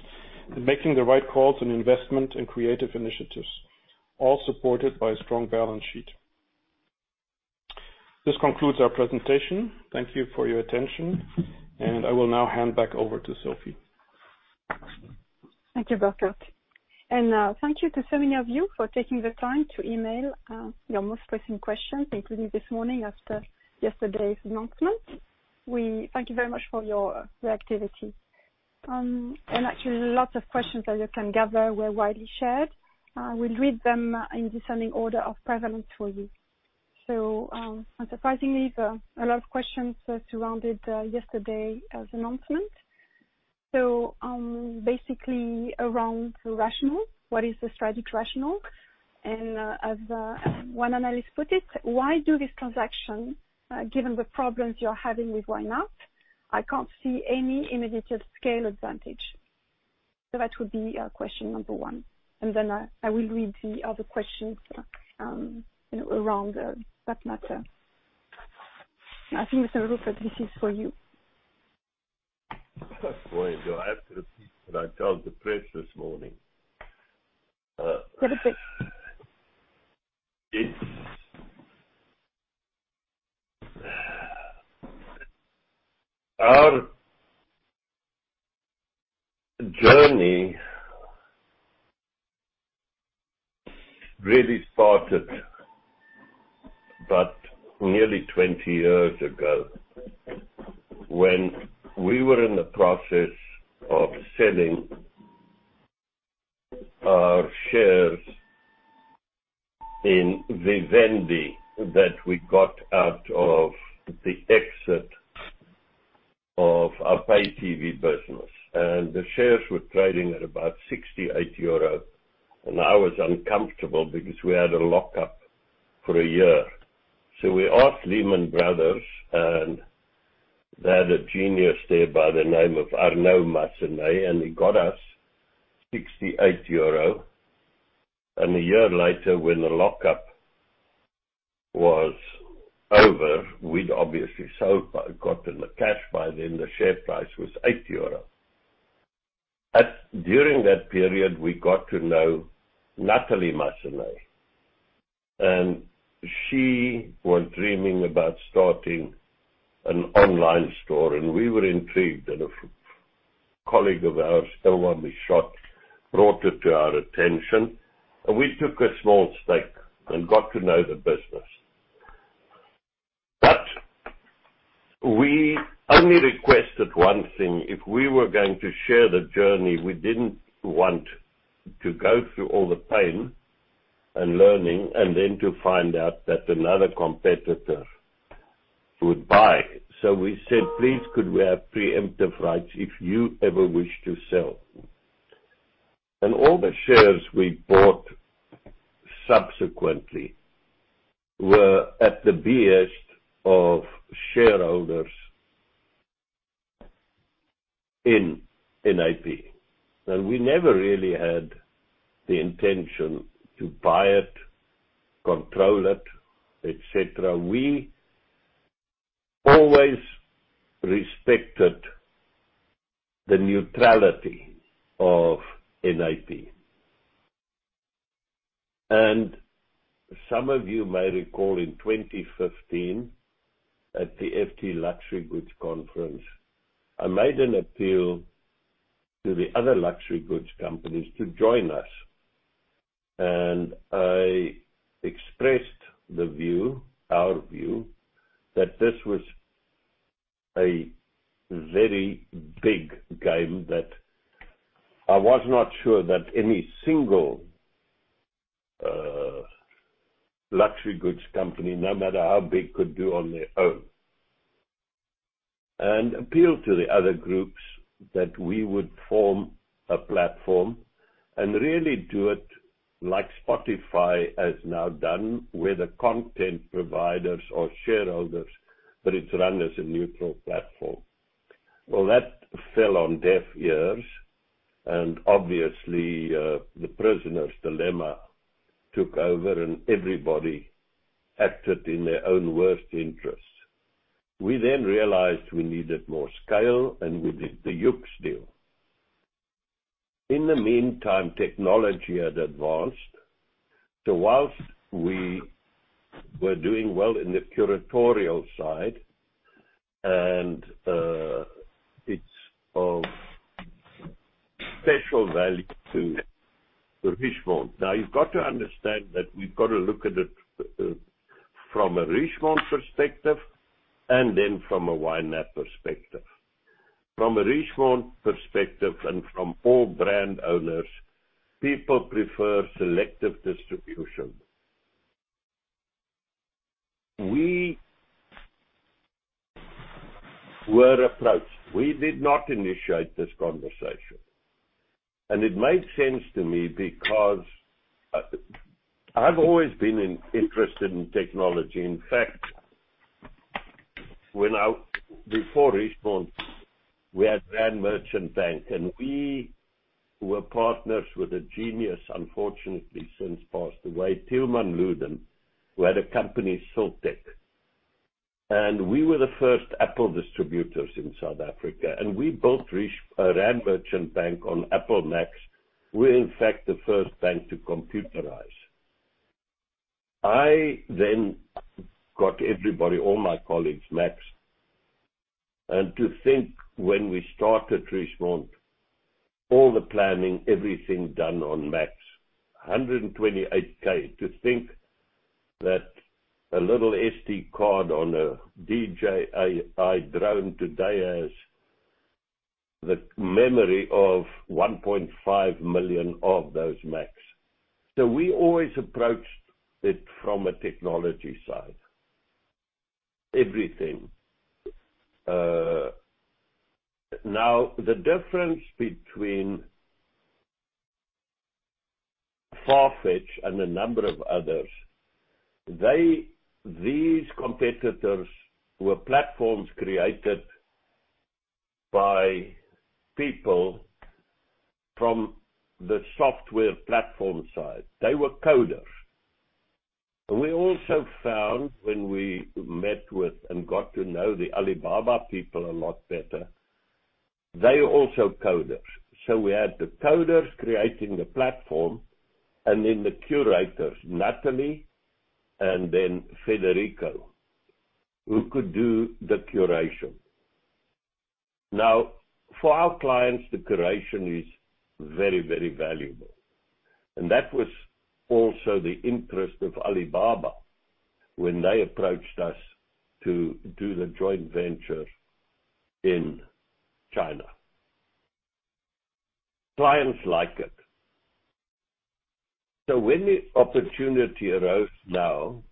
in making the right calls in investment and creative initiatives, all supported by a strong balance sheet. This concludes our presentation. Thank you for your attention, and I will now hand back over to Sophie. Thank you, Burkhart. Thank you to so many of you for taking the time to email your most pressing questions, including this morning after yesterday's announcement. We thank you very much for your reactivity. Actually, lots of questions, as you can gather, were widely shared. We'll read them in descending order of prevalence for you. Unsurprisingly, a lot of questions surrounded yesterday's announcement. Basically around the rationale, what is the strategic rationale? As one analyst put it, why do this transaction, given the problems you're having with YOOX? I can't see any immediate scale advantage. That would be question number one, and then I will read the other questions around that matter. I think, Mr. Rupert, this is for you. Boy, I have to repeat what I told the press this morning. Go ahead please. Our journey really started nearly 20 years ago when we were in the process of selling our shares in Vivendi that we got out of the exit of our pay TV business. The shares were trading at about 68 euro, and I was uncomfortable because we had a lock-up for one year. We asked Lehman Brothers, and they had a genius there by the name of Arnaud Massenet, and he got us 68 euro. One year later, when the lock-up was over, we'd obviously gotten the cash by then. The share price was 8 euro. During that period, we got to know Natalie Massenet, and she was dreaming about starting an online store, and we were intrigued. A colleague of ours, someone we sought, brought it to our attention, and we took a small stake and got to know the business. We only requested one thing. If we were going to share the journey, we didn't want to go through all the pain and learning and then to find out that another competitor would buy. We said, "Please, could we have preemptive rights if you ever wish to sell?" All the shares we bought subsequently were at the behest of shareholders in NAP. We never really had the intention to buy it, control it, et cetera. We always respected the neutrality of NAP. Some of you may recall in 2015 at the FT Business of Luxury Summit, I made an appeal to the other luxury goods companies to join us. I expressed our view that this was a very big game that I was not sure that any single luxury goods company, no matter how big, could do on their own. Appealed to the other groups that we would form a platform and really do it like Spotify has now done with the content providers or shareholders, but it's run as a neutral platform. That fell on deaf ears and obviously, the prisoner's dilemma took over and everybody acted in their own worst interests. We then realized we needed more scale, and we did the YOOX deal. In the meantime, technology had advanced. Whilst we were doing well in the curatorial side, and it's of special value to Richemont. You've got to understand that we've got to look at it from a Richemont perspective and then from a YNAP perspective. From a Richemont perspective and from all brand owners, people prefer selective distribution. We were approached. We did not initiate this conversation. It made sense to me because I've always been interested in technology. Before Richemont, we had Rand Merchant Bank, and we were partners with a genius, unfortunately since passed away, Tilman Lueder, who had a company, Siltec. We were the first Apple distributors in South Africa, and we built Rand Merchant Bank on Apple Macs. We're in fact the first bank to computerize. I got everybody, all my colleagues Macs. To think when we started Richemont, all the planning, everything done on Macs, 128K. To think that a little SD card on a DJI drone today has the memory of 1.5 million of those Macs. We always approached it from a technology side. Everything. The difference between Farfetch and a number of others, these competitors were platforms created by people from the software platform side. They were coders. We also found when we met with and got to know the Alibaba people a lot better, they're also coders. We had the coders creating the platform and then the curators, Natalie and Federico, who could do the curation. For our clients, the curation is very, very valuable. That was also the interest of Alibaba when they approached us to do the joint venture in China. Clients like it. When the opportunity arose now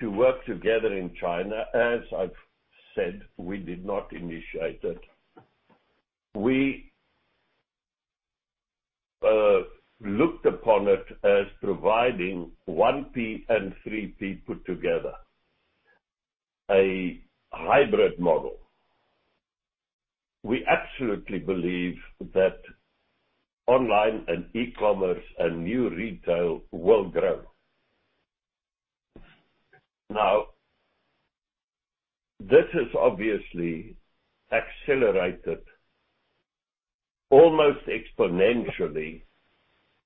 to work together in China, as I've said, we did not initiate it. We looked upon it as providing 1P and 3P put together. A hybrid model. We absolutely believe that online and e-commerce and new retail will grow. This has obviously accelerated almost exponentially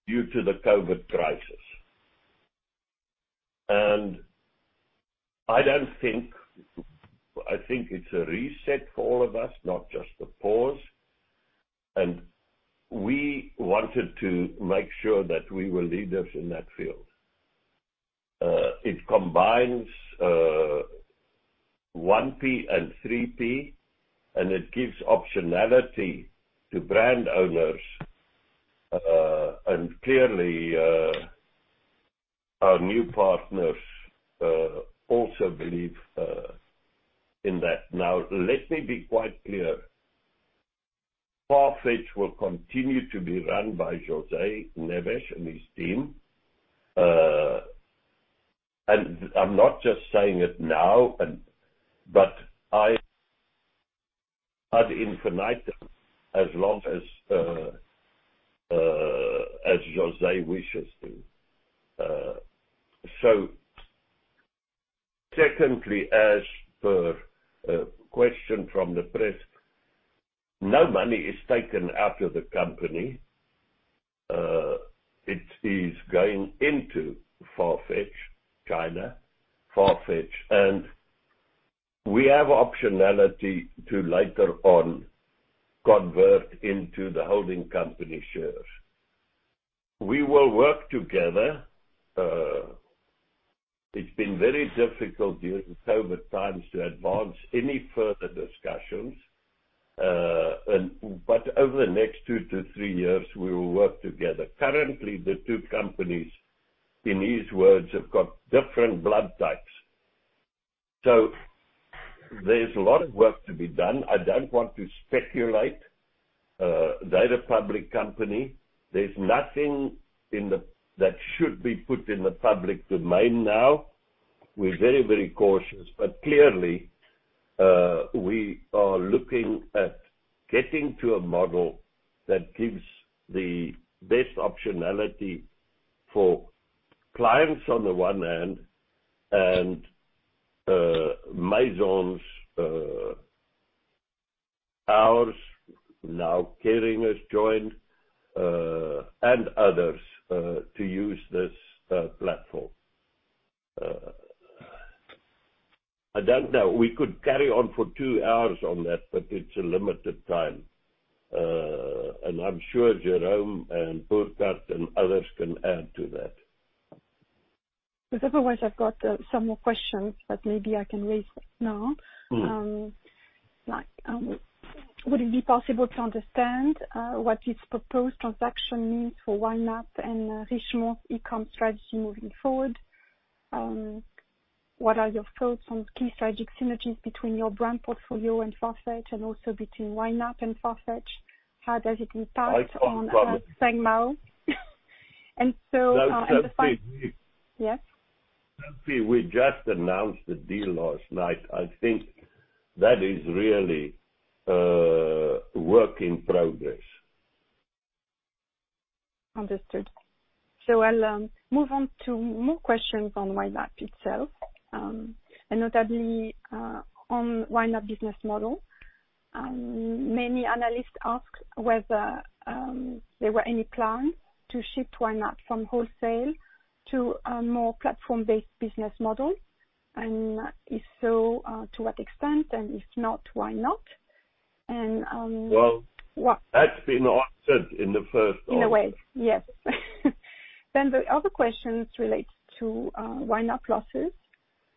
due to the COVID crisis. I think it's a reset for all of us, not just a pause. We wanted to make sure that we were leaders in that field. It combines 1P and 3P, and it gives optionality to brand owners. Clearly, our new partners also believe in that. Let me be quite clear. Farfetch will continue to be run by José Neves and his team. I'm not just saying it now, but ad infinitum, as long as José wishes to. Secondly, as per a question from the press, no money is taken out of the company. It is going into Farfetch, China, Farfetch. We have optionality to later on convert into the holding company shares. We will work together. It's been very difficult during COVID times to advance any further discussions, but over the next two to three years, we will work together. Currently, the two companies, in his words, have got different blood types. There's a lot of work to be done. I don't want to speculate. They're a public company. There's nothing that should be put in the public domain now. We're very cautious, but clearly, we are looking at getting to a model that gives the best optionality for clients on the one hand, and Maisons, ours, now Kering has joined, and others to use this platform. I don't know. We could carry on for two hours on that, but it's a limited time. I'm sure Jérôme and Burkhart and others can add to that. Otherwise I've got some more questions that maybe I can raise now. Like, would it be possible to understand what this proposed transaction means for YNAP and Richemont e-com strategy moving forward? What are your thoughts on key strategic synergies between your brand portfolio and Farfetch and also between YNAP and Farfetch? I can't comment. Farfetch. No, Sophie. Yes? Sophie, we just announced the deal last night. I think that is really a work in progress. Understood. I'll move on to more questions on YNAP itself, and notably, on YNAP business model. Many analysts ask whether there were any plans to shift YNAP from wholesale to a more platform-based business model. If so, to what extent, and if not, why not? Well- What- That's been answered in the first part. In a way, yes. The other questions relate to YNAP losses.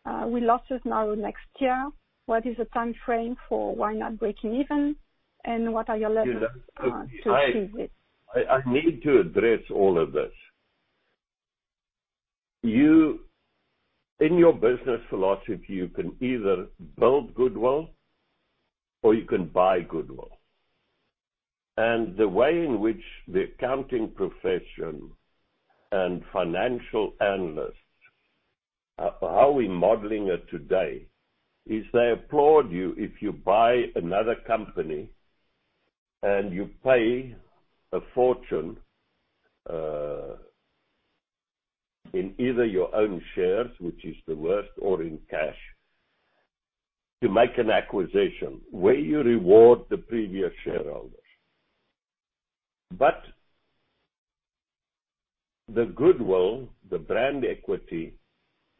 Will losses narrow next year? What is the timeframe for YNAP breaking even? What are your levers? You know, Sophie, to achieve it? I need to address all of this. In your business philosophy, you can either build goodwill or you can buy goodwill. The way in which the accounting profession and financial analysts are how we modeling it today, they applaud you if you buy another company and you pay a fortune in either your own shares, which is the worst or in cash, to make an acquisition, where you reward the previous shareholders. The goodwill, the brand equity,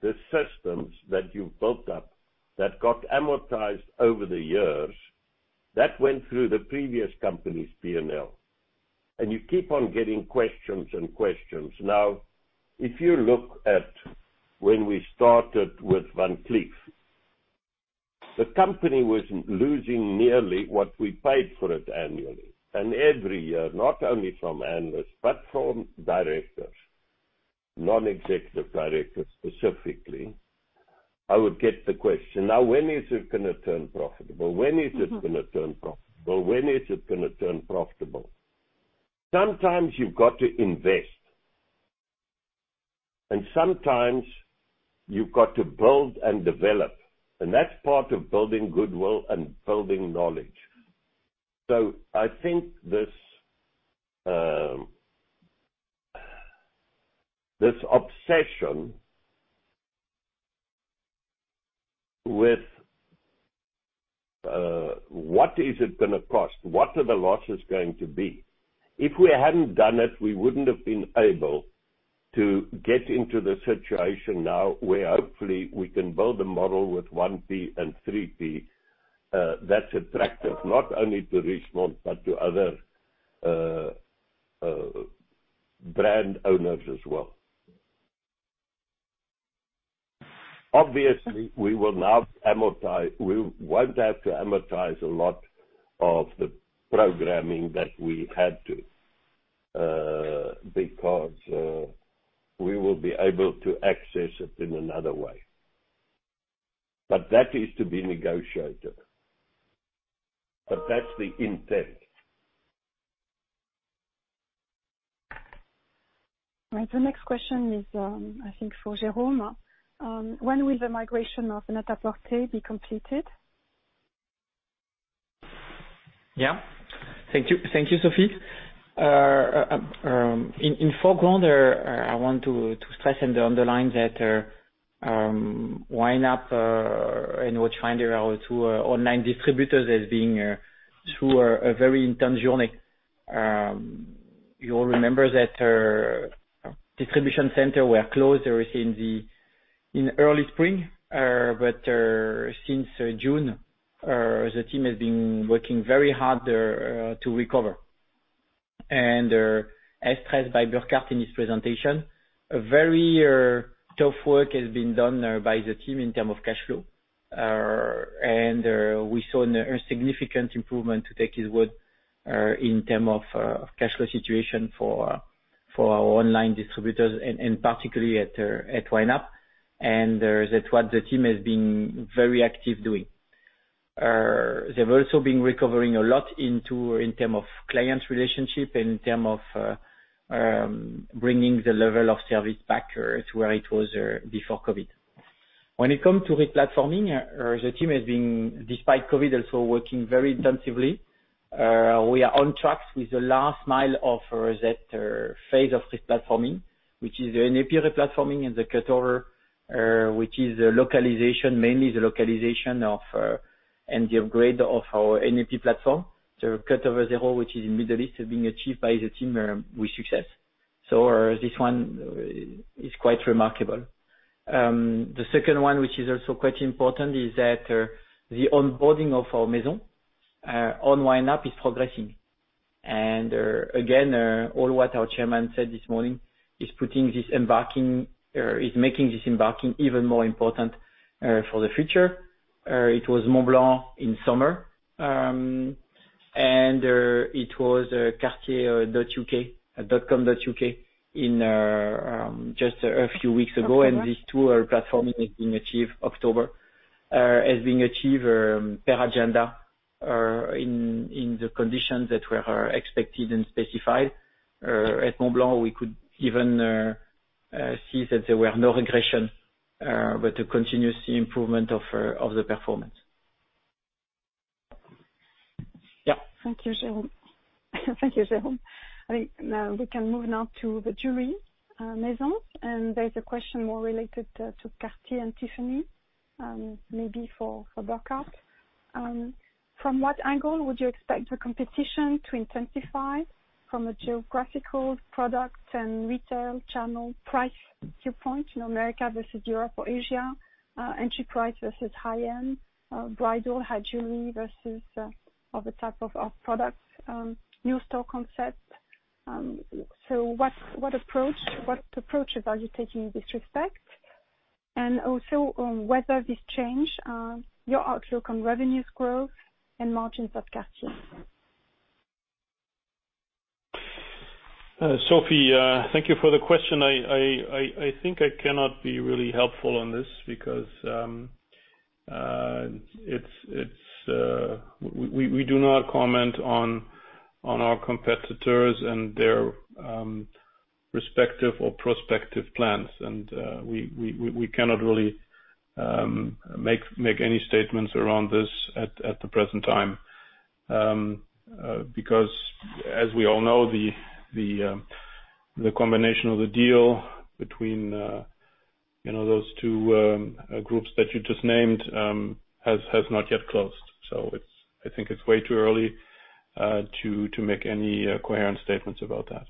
the systems that you've built up that got amortized over the years, that went through the previous company's P&L. You keep on getting questions and questions. If you look at when we started with Van Cleef, the company was losing nearly what we paid for it annually. Every year, not only from analysts, but from directors, non-executive directors specifically, I would get the question, "Now, when is it going to turn profitable? When is it going to turn profitable? When is it going to turn profitable?" Sometimes you've got to invest, and sometimes you've got to build and develop, and that's part of building goodwill and building knowledge. I think this obsession with what is it going to cost, what are the losses going to be? If we hadn't done it, we wouldn't have been able to get into the situation now where hopefully we can build a model with 1P and 3P that's attractive not only to Richemont, but to other brand owners as well. Obviously, we won't have to amortize a lot of the programming that we had to, because we will be able to access it in another way. That is to be negotiated. That's the intent. Right. The next question is, I think for Jérôme. When will the migration of NET-A-PORTER be completed? Yeah. Thank you, Sophie. In foreground, I want to stress and underline that YNAP and Watchfinder are two online distributors as being through a very intense journey. You all remember that distribution center were closed in early spring. Since June, the team has been working very hard to recover. As stressed by Burkhart in his presentation, a very tough work has been done by the team in term of cash flow. We saw a significant improvement, to take his word, in term of cash flow situation for our online distributors and particularly at YNAP, and that's what the team has been very active doing. They've also been recovering a lot in term of clients relationship, in term of bringing the level of service back to where it was before COVID. When it comes to re-platforming, the team has been, despite COVID, also working very intensively. We are on track with the last mile of that phase of re-platforming, which is the NAP re-platforming and the cut-over, which is mainly the localization and the upgrade of our NAP platform. The cutover zero, which is in Middle East, is being achieved by the team with success. This one is quite remarkable. The second one, which is also quite important, is that the onboarding of our Maison on YNAP is progressing. Again, all what our Chairman said this morning is making this embarking even more important for the future. It was Montblanc in summer, and it was cartier.com.uk just a few weeks ago. October. These two are platforming has been achieved October, has been achieved per agenda, in the conditions that were expected and specified. At Montblanc, we could even see that there were no regression, but a continuous improvement of the performance. Yeah. Thank you, Jérôme. There's a question more related to Cartier and Tiffany, maybe for Burkhart. From what angle would you expect the competition to intensify from a geographical product and retail channel price viewpoint in America versus Europe or Asia, enterprise versus high-end, bridal high jewelry versus other type of products, new store concept. What approaches are you taking in this respect? Also, whether this change your outlook on revenues growth and margins at Cartier. Sophie, thank you for the question. I think I cannot be really helpful on this because we do not comment on our competitors and their respective or prospective plans. We cannot really make any statements around this at the present time. As we all know, the combination of the deal between those two groups that you just named, has not yet closed. I think it's way too early to make any coherent statements about that.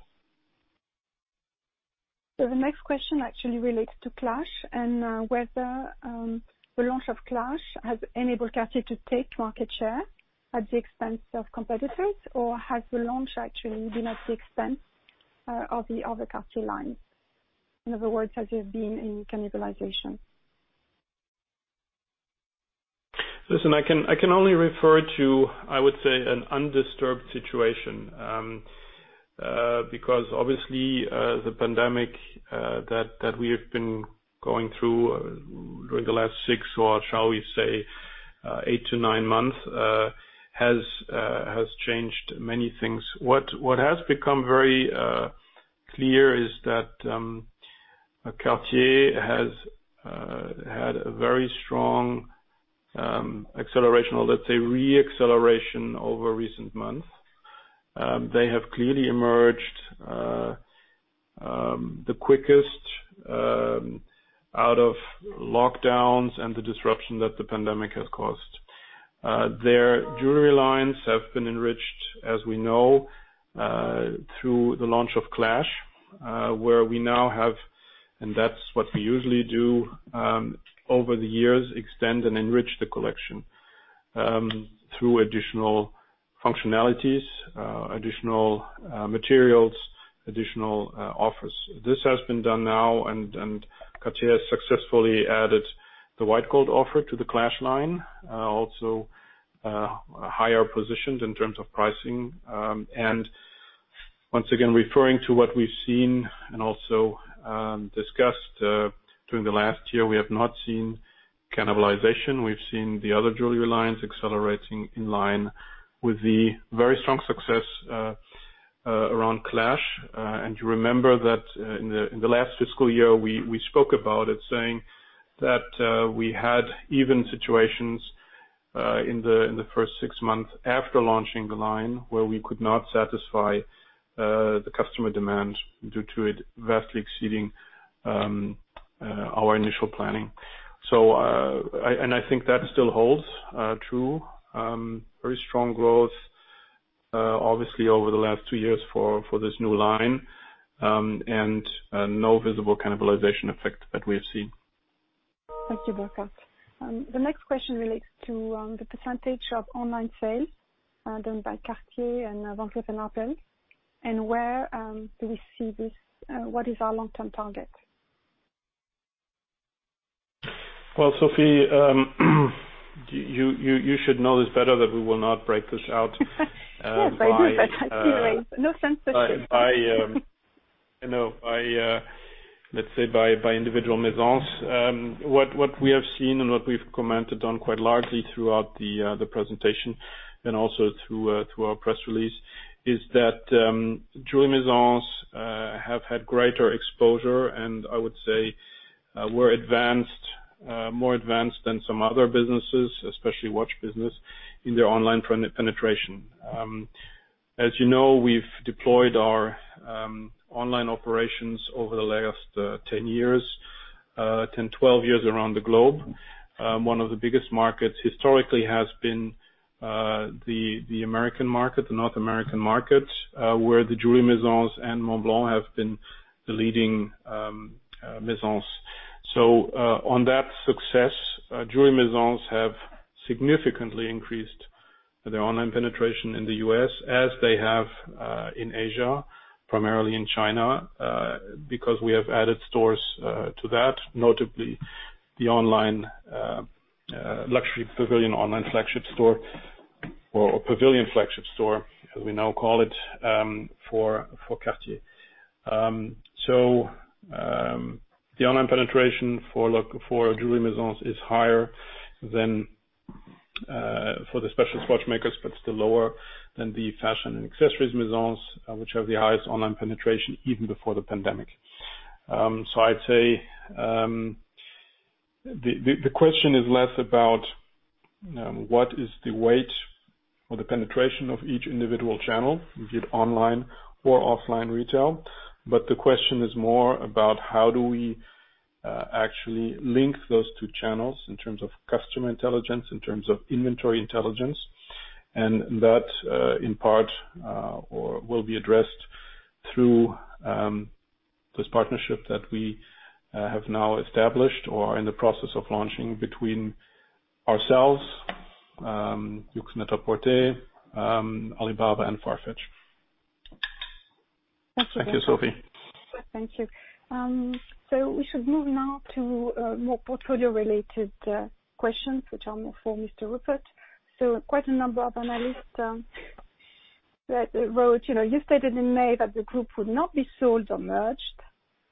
The next question actually relates to Clash and whether the launch of Clash has enabled Cartier to take market share at the expense of competitors, or has the launch actually been at the expense of the other Cartier lines. In other words, has there been any cannibalization? Listen, I can only refer to, I would say, an undisturbed situation. Obviously, the pandemic that we have been going through during the last six, or shall we say eight to nine months has changed many things. What has become very clear is that Cartier has had a very strong acceleration or let's say, re-acceleration over recent months. They have clearly emerged the quickest out of lockdowns and the disruption that the pandemic has caused. Their jewelry lines have been enriched, as we know, through the launch of Clash, where we now have, and that's what we usually do, over the years extend and enrich the collection through additional functionalities, additional materials, additional offers. This has been done now. Cartier successfully added the white gold offer to the Clash line, also higher positioned in terms of pricing. Once again, referring to what we've seen and also discussed during the last year, we have not seen cannibalization. We've seen the other jewelry lines accelerating in line with the very strong success around Clash. You remember that in the last fiscal year, we spoke about it, saying that we had even situations in the first six months after launching the line, where we could not satisfy the customer demand due to it vastly exceeding our initial planning. I think that still holds true. Very strong growth, obviously, over the last two years for this new line, and no visible cannibalization effect that we have seen. Thank you, Burkhart. The next question relates to the percentage of online sales done by Cartier and Van Cleef & Arpels, and where do we see this? What is our long-term target? Well, Sophie, you should know this better, that we will not break this out. Yes, I do, but anyway. No sense of shame I know. Let's say, by individual Maisons. What we have seen and what we've commented on quite largely throughout the presentation, and also through our press release, is that Jewelry Maisons have had greater exposure and, I would say, were more advanced than some other businesses, especially watch business, in their online penetration. As you know, we've deployed our online operations over the last 10 years, 10, 12 years around the globe. One of the biggest markets historically has been the North American market, where the Jewelry Maisons and Montblanc have been the leading Maisons. On that success, Jewelry Maisons have significantly increased their online penetration in the U.S., as they have in Asia, primarily in China, because we have added stores to that, notably the Luxury Pavilion online flagship store, or Pavilion flagship store, as we now call it for Cartier. The online penetration for Jewelry Maisons is higher than for the specialist watchmakers, but still lower than the fashion and accessories Maisons, which have the highest online penetration even before the pandemic. I'd say the question is less about what is the weight or the penetration of each individual channel, be it online or offline retail. The question is more about how do we actually link those two channels in terms of customer intelligence, in terms of inventory intelligence, and that in part will be addressed through this partnership that we have now established or are in the process of launching between ourselves, Yoox Net-a-Porter, Alibaba, and Farfetch. Thank you, Sophie. Thank you. We should move now to more portfolio-related questions, which are more for Mr. Rupert. Quite a number of analysts wrote, you stated in May that the group would not be sold or merged.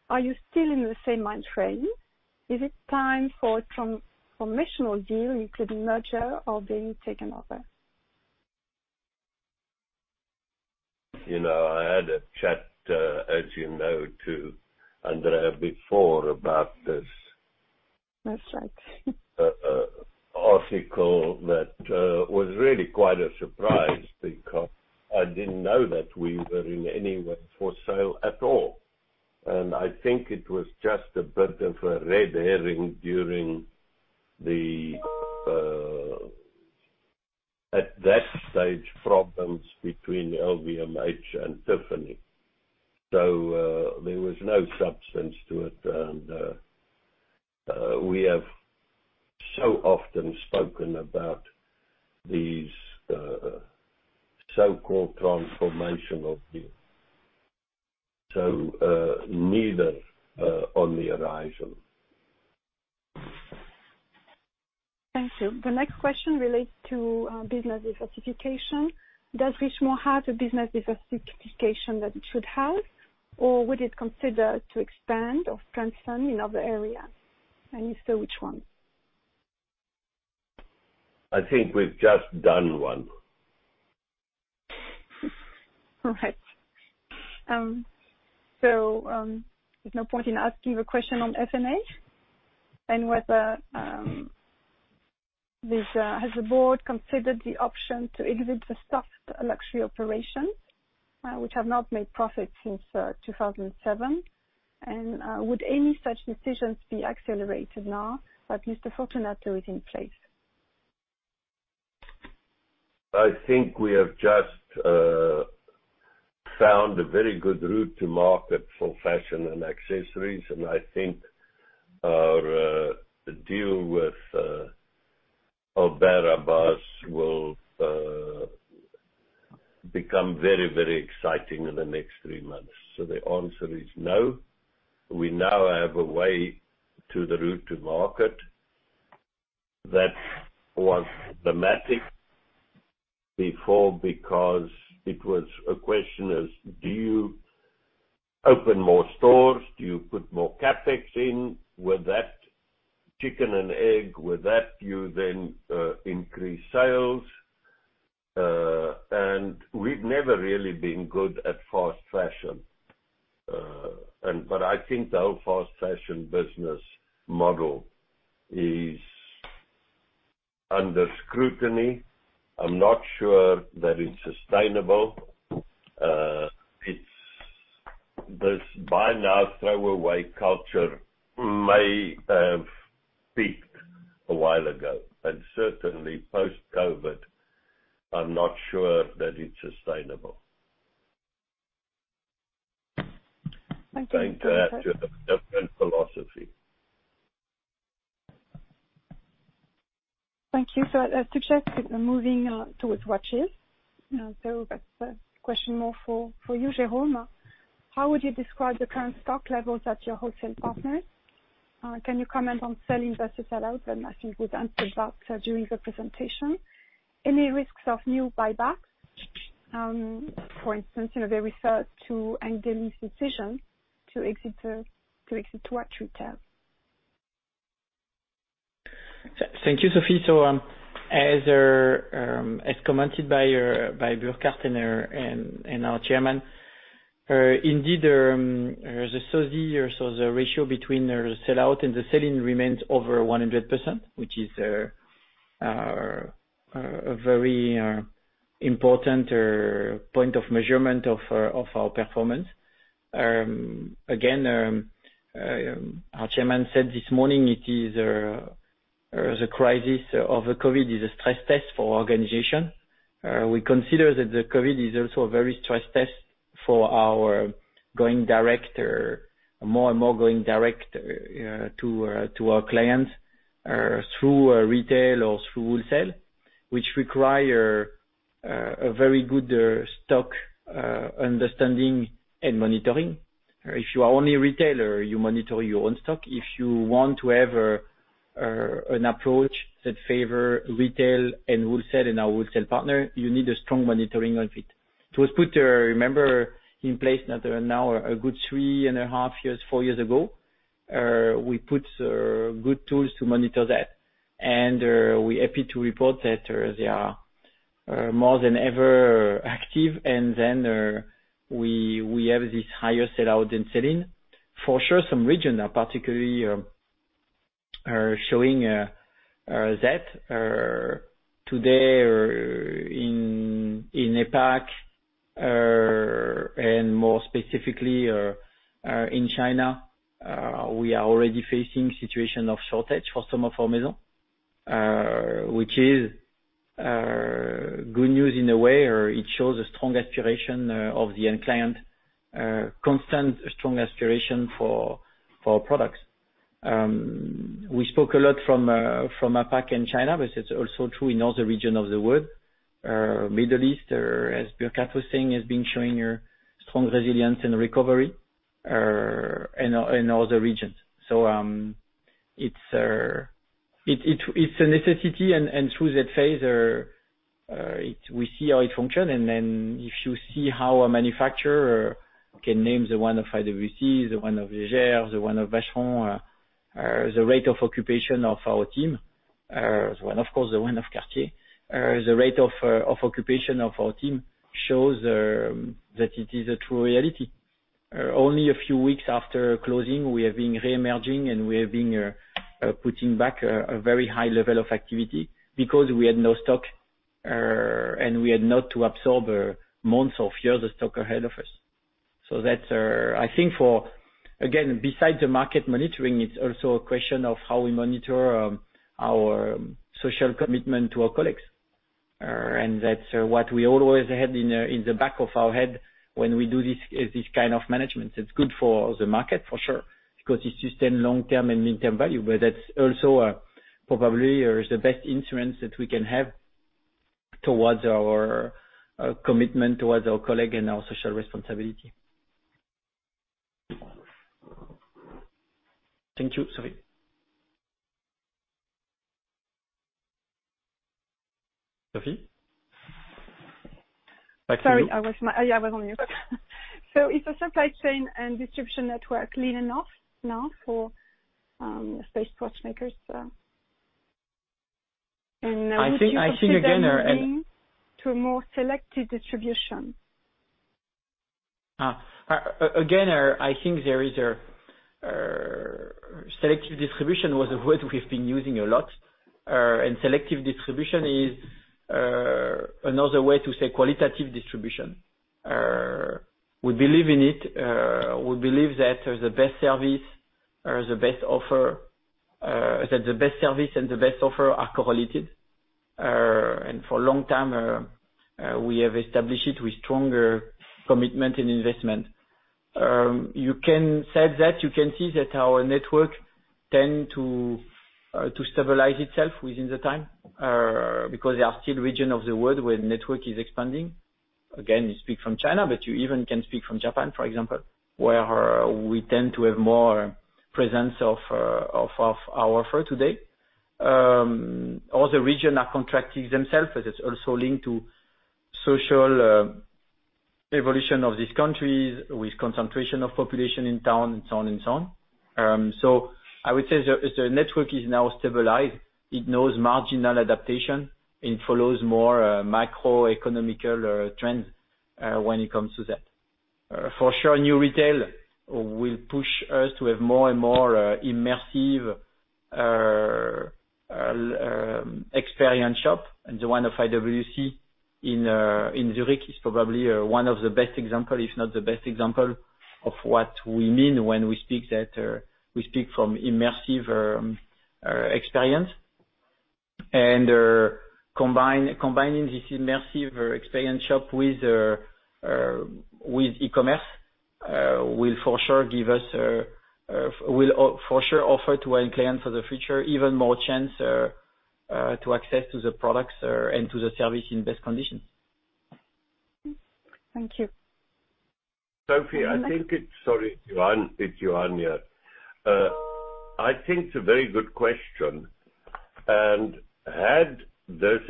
Are you still in the same mind frame? Is it time for a transformational deal, including merger or being taken over? I had a chat, as you know too, Andrea, before about this. That's right. article that was really quite a surprise because I didn't know that we were in any way for sale at all. I think it was just a bit of a red herring during the, at that stage, problems between LVMH and Tiffany. There was no substance to it, and we have so often spoken about these so-called transformational deals. Neither on the horizon. Thank you. The next question relates to business diversification. Does Richemont have the business diversification that it should have, or would it consider to expand or transcend in other area? If so, which one? I think we've just done one. All right. There's no point in asking the question on F&A, and whether has the board considered the option to exhibit the soft luxury operation, which have not made profit since 2007? Would any such decisions be accelerated now that Mr. Fortunato is in place? I think we have just found a very good route to market for fashion and accessories. I think our deal with Alber Elbaz will become very exciting in the next three months. The answer is no. We now have a way to the route to market that was dramatic before because it was a question of, do you open more stores? Do you put more CapEx in? With that chicken and egg, with that you then increase sales. We've never really been good at fast fashion. I think the whole fast fashion business model is under scrutiny. I'm not sure that it's sustainable. This buy now, throw away culture may have peaked a while ago, but certainly post-COVID, I'm not sure that it's sustainable. Thank you. Going to a different philosophy. Thank you. To check, moving towards watches. That's a question more for you, Jérôme. How would you describe the current stock levels at your wholesale partners? Can you comment on selling versus sellout? I think you answered that during the presentation. Any risks of new buybacks, for instance, in a very sudden decision to exit watch retail. Thank you, Sophie. As commented by Burkhart Grund and our chairman, indeed, the ratio between the sellout and the sell-in remains over 100%, which is a very important point of measurement of our performance. Again, our chairman said this morning, the crisis of the COVID is a stress test for our organization. We consider that the COVID is also a very stress test for our more and more going direct to our clients, through retail or through wholesale, which require a very good stock understanding and monitoring. If you are only a retailer, you monitor your own stock. If you want to have an approach that favor retail and wholesale and our wholesale partner, you need a strong monitoring of it. It was put, remember, in place now a good three and a half years, four years ago. We put good tools to monitor that, we're happy to report that they are more than ever active. We have this higher sellout than sell-in. For sure, some regions are particularly showing that today in APAC and more specifically in China, we are already facing situation of shortage for some of our Maison, which is good news in a way. It shows a strong aspiration of the end client, constant strong aspiration for our products. We spoke a lot from APAC and China, but it's also true in other regions of the world. Middle East, as Burkhart Grund was saying, has been showing a strong resilience and recovery in other regions. It's a necessity, and through that phase, we see how it functions. If you see how a manufacturer can name the one of IWC, the one of Jaeger-LeCoultre, the one of Vacheron, the rate of occupation of our team, as well, of course, the one of Cartier. The rate of occupation of our team shows that it is a true reality. Only a few weeks after closing, we have been re-emerging, and we have been putting back a very high level of activity because we had no stock, and we had not to absorb months of years of stock ahead of us. I think for, again, besides the market monitoring, it's also a question of how we monitor our social commitment to our colleagues. That's what we always had in the back of our head when we do this kind of management. It's good for the market for sure, because it sustain long-term and midterm value, but that's also probably the best insurance that we can have towards our commitment towards our colleague and our social responsibility. Thank you, Sophie. Sophie, back to you. Sorry, I was on mute. Is the supply chain and distribution network lean enough now for Swiss watchmakers? I think again- Now should we see them moving to a more selective distribution? I think selective distribution was a word we've been using a lot. Selective distribution is another way to say qualitative distribution. We believe in it. We believe that the best service and the best offer are correlated. For a long time, we have established it with stronger commitment and investment. You can said that, you can see that our network tend to stabilize itself within the time, because there are still region of the world where network is expanding. You speak from China, but you even can speak from Japan, for example, where we tend to have more presence of our offer today. Other region are contracting themselves, as it's also linked to social evolution of these countries with concentration of population in town and so on. I would say the network is now stabilized. It knows marginal adaptation and follows more microeconomical trends when it comes to that. For sure, new retail will push us to have more and more immersive experience shop, and the one of IWC in Zurich is probably one of the best example, if not the best example, of what we mean when we speak from immersive experience. Combining this immersive experience shop with e-commerce will for sure offer to our client for the future even more chance to access to the products and to the service in best conditions. Thank you. Sorry, Johann. It's Johann here. I think it's a very good question. Had this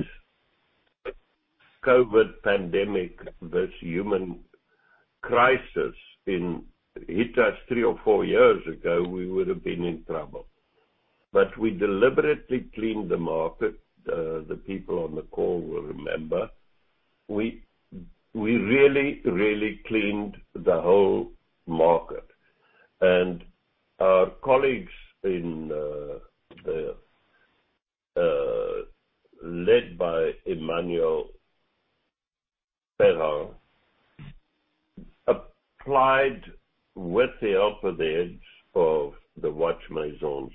COVID-19 pandemic, this human crisis hit us three or four years ago, we would have been in trouble. We deliberately cleaned the market. The people on the call will remember. We really cleaned the whole market. Our colleagues led by Emmanuel Béraud applied, with the help of the heads of the watch Maisons,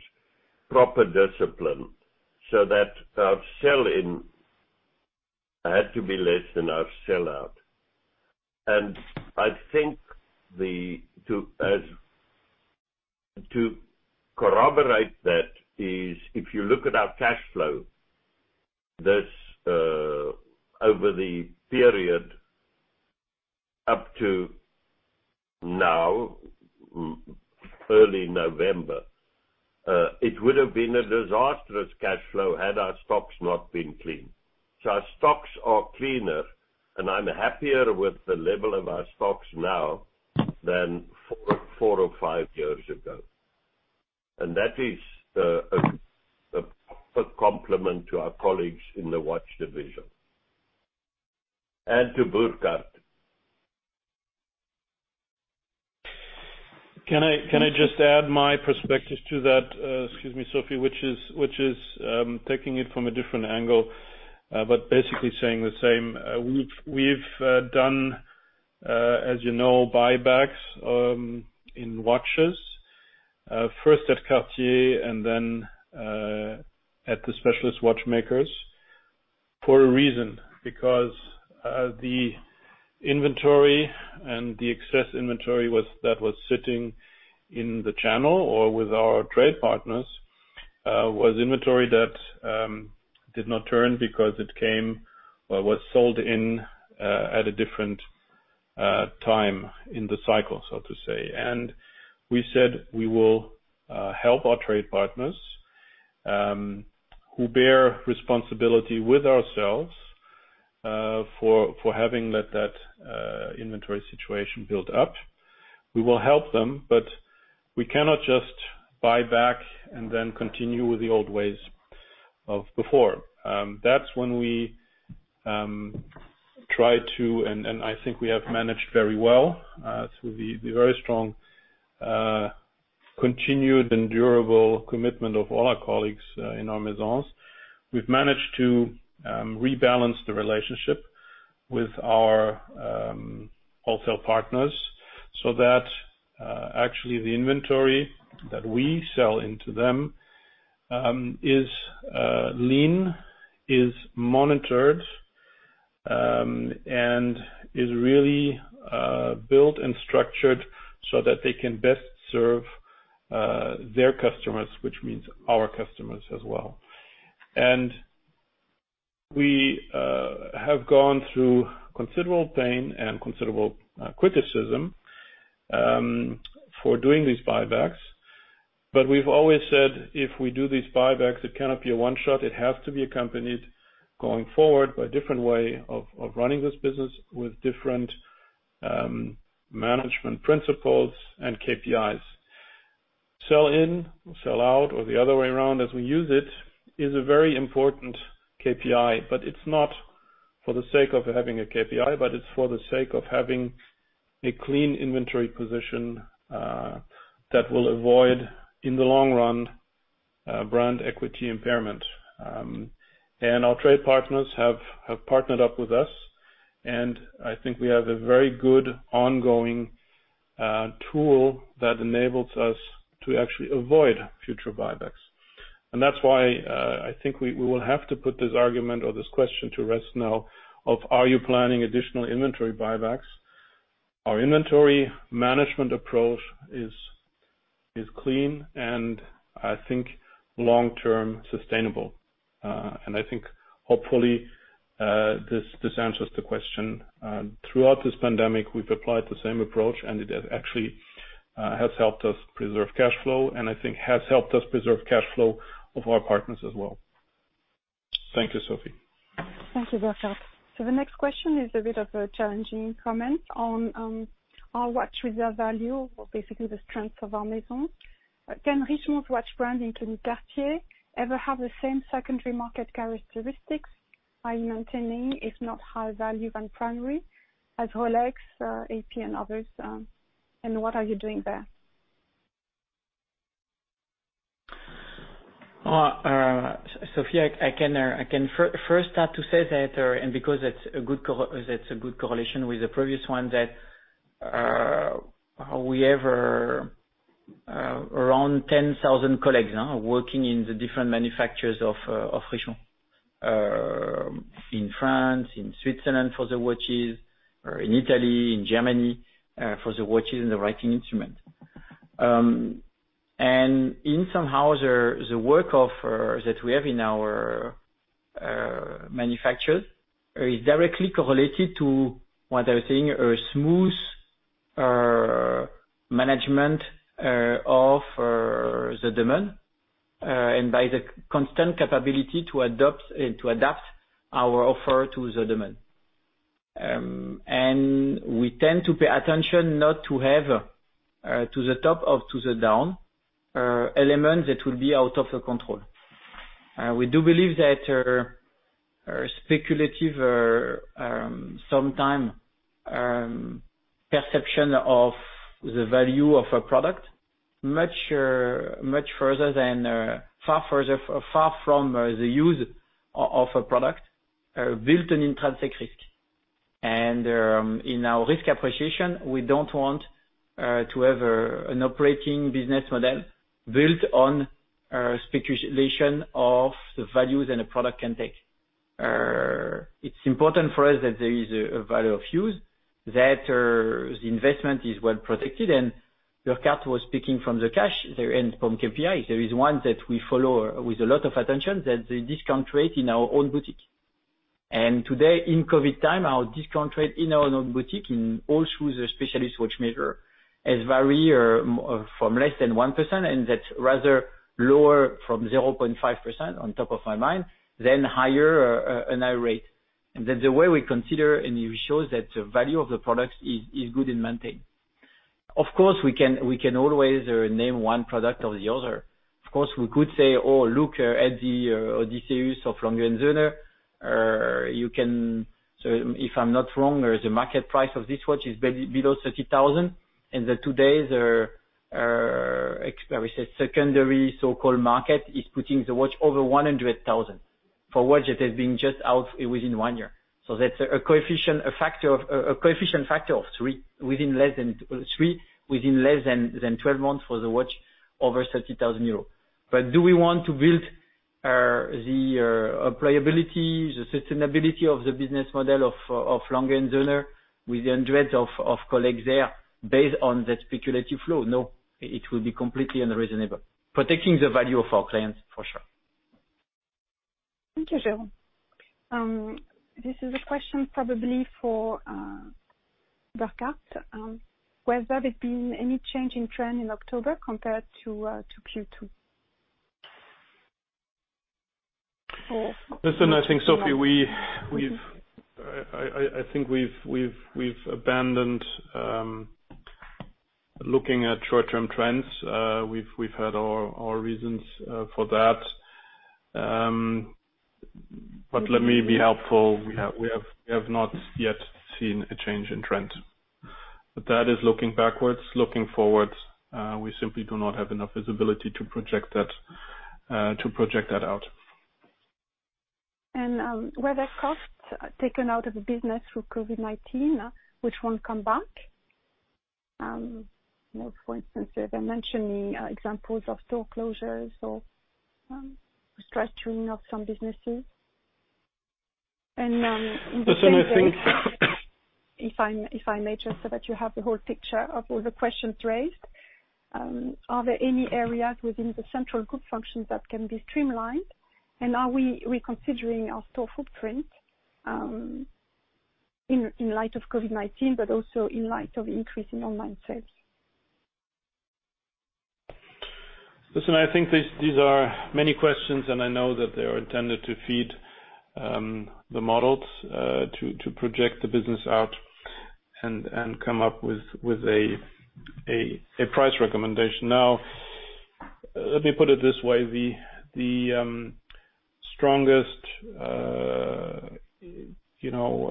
proper discipline so that our sell in had to be less than our sellout. I think to corroborate that is if you look at our cash flow over the period up to now, early November it would have been a disastrous cash flow had our stocks not been clean. Our stocks are cleaner, and I'm happier with the level of our stocks now than four or five years ago. That is a compliment to our colleagues in the watch division and to Burkhart. Can I just add my perspective to that, excuse me, Sophie, which is taking it from a different angle but basically saying the same. We've done, as you know, buybacks in watches first at Cartier and then at the specialist watchmakers for a reason because the inventory and the excess inventory that was sitting in the channel or with our trade partners was inventory that did not turn because it was sold in at a different time in the cycle, so to say. We said we will help our trade partners who bear responsibility with ourselves for having let that inventory situation build up. We will help them, but we cannot just buy back and then continue with the old ways of before. That's when we try to, and I think we have managed very well through the very strong continued and durable commitment of all our colleagues in our Maisons. We've managed to rebalance the relationship with our wholesale partners so that actually the inventory that we sell into them is lean, is monitored, and is really built and structured so that they can best serve their customers, which means our customers as well. We have gone through considerable pain and considerable criticism for doing these buybacks. We've always said if we do these buybacks, it cannot be a one shot. It has to be accompanied going forward by a different way of running this business with different management principles and KPIs. Sell in or sell out or the other way around as we use it is a very important KPI, but it's not for the sake of having a KPI, but it's for the sake of having a clean inventory position that will avoid, in the long run, brand equity impairment. Our trade partners have partnered up with us. I think we have a very good ongoing tool that enables us to actually avoid future buybacks. That's why I think we will have to put this argument or this question to rest now of, are you planning additional inventory buybacks? Our inventory management approach is clean and I think long-term sustainable. I think hopefully, this answers the question. Throughout this pandemic, we've applied the same approach and it actually has helped us preserve cash flow, and I think has helped us preserve cash flow of our partners as well. Thank you, Sophie. Thank you, Burkhart. The next question is a bit of a challenging comment on our watch reserve value or basically the strength of our Maison. Can Richemont watch branding, Cartier, ever have the same secondary market characteristics by maintaining, if not higher value than primary as Rolex, AP, and others? What are you doing there? Sophie, I can first start to say that, because it's a good correlation with the previous one, that we have around 10,000 colleagues now working in the different manufacturers of Richemont. In France, in Switzerland for the watches, or in Italy, in Germany, for the watches and the writing instruments. Somehow, the work that we have in our manufacturers is directly correlated to what I was saying, a smooth management of the demand, by the constant capability to adapt our offer to the demand. We tend to pay attention not to have, to the top or to the down, elements that will be out of our control. We do believe that speculative or sometimes perception of the value of a product much further than, far from the use of a product, built an intrinsic risk. In our risk appreciation, we don't want to have an operating business model built on speculation of the values that a product can take. It's important for us that there is a value of use, that the investment is well protected. Burkhart was speaking from the cash there and from KPI. There is one that we follow with a lot of attention, that the discount rate in our own boutique. Today in COVID time, our discount rate in our own boutique and also the specialist watchmaker has varied from less than 1%, and that's rather lower from 0.5% on top of my mind, than higher annual rate. That the way we consider and it shows that the value of the product is good and maintained. Of course, we can always name one product or the other. Of course, we could say, oh, look at the Odysseus of A. Lange & Söhne. If I'm not wrong, the market price of this watch is below 30,000, and today the secondary so-called market is putting the watch over 100,000. For a watch that has been just out within one year. That's a coefficient factor of three within less than 12 months for the watch over 30,000 euros. Do we want to build the employability, the sustainability of the business model of A. Lange & Söhne with the hundreds of colleagues there based on that speculative flow? No, it will be completely unreasonable. Protecting the value of our clients, for sure. Thank you, Jérôme. This is a question probably for Burkhart. Has there been any change in trend in October compared to Q2? Listen, I think, Sophie, we've abandoned looking at short-term trends. We've had our reasons for that. Let me be helpful. We have not yet seen a change in trend. That is looking backwards, looking forwards. We simply do not have enough visibility to project that out. Were there costs taken out of the business through COVID-19 which won't come back? For instance, they're mentioning examples of store closures or restructuring of some businesses. Listen, I think. if I may just so that you have the whole picture of all the questions raised, are there any areas within the central group functions that can be streamlined? Are we reconsidering our store footprint in light of COVID-19, but also in light of increase in online sales? Listen, I think these are many questions. I know that they are intended to feed the models to project the business out and come up with a price recommendation. Let me put it this way. The strongest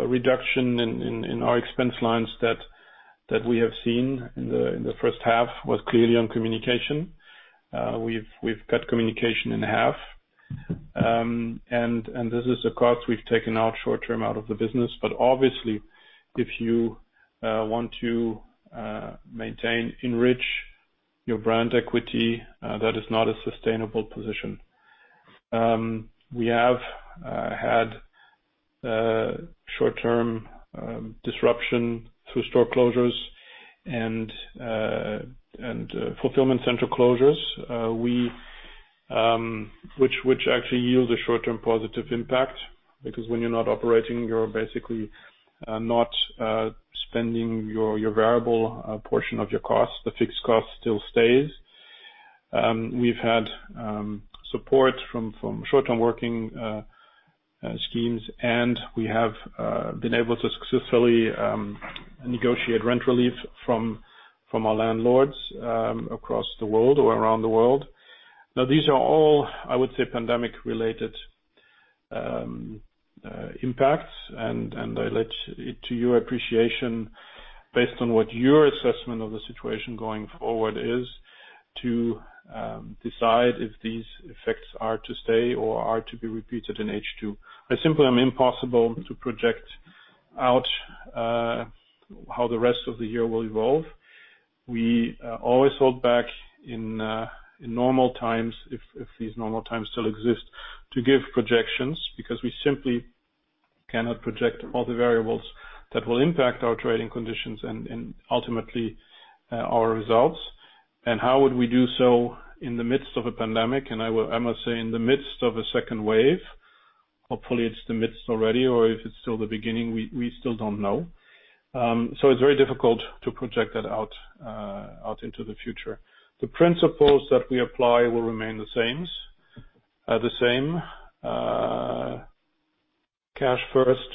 reduction in our expense lines that we have seen in the first half was clearly on communication. We've cut communication in half. This is a cost we've taken out short-term out of the business. Obviously, if you want to maintain, enrich your brand equity, that is not a sustainable position. We have had short-term disruption through store closures and fulfillment center closures, which actually yield a short-term positive impact. When you're not operating, you're basically not spending your variable portion of your cost. The fixed cost still stays. We've had support from short-term working schemes, and we have been able to successfully negotiate rent relief from our landlords across the world or around the world. These are all, I would say, pandemic related impacts, and I let it to your appreciation based on what your assessment of the situation going forward is to decide if these effects are to stay or are to be repeated in H2. They simply are impossible to project out how the rest of the year will evolve. We always hold back in normal times, if these normal times still exist, to give projections because we simply cannot project all the variables that will impact our trading conditions and ultimately our results. How would we do so in the midst of a pandemic? I must say, in the midst of a second wave. Hopefully, it's the midst already, or if it's still the beginning, we still don't know. It's very difficult to project that out into the future. The principles that we apply will remain the same. Cash first,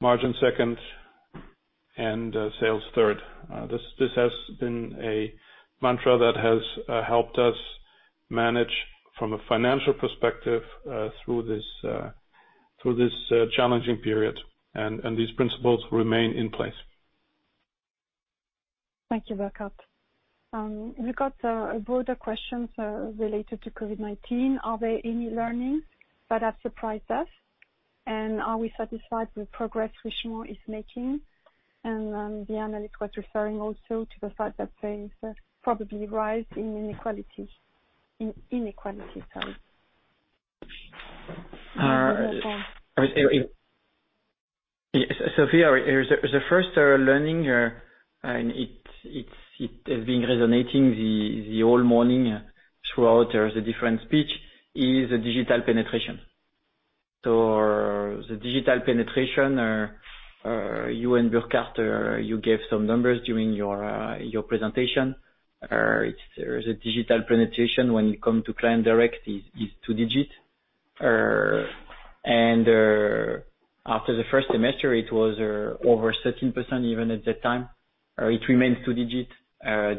margin second, and sales third. This has been a mantra that has helped us manage from a financial perspective through this challenging period, and these principles remain in place. Thank you, Burkhart. We got broader questions related to COVID-19. Are there any learnings that have surprised us, and are we satisfied with progress Richemont is making? The analyst was referring also to the fact that there is probably rise in inequality. Sorry. Sophie, the first learning, it has been resonating the whole morning throughout the different speech, is the digital penetration. The digital penetration, you and Burkhart, you gave some numbers during your presentation. The digital penetration when it comes to client direct is two-digit. After the first semester, it was over 13% even at that time. It remains two-digit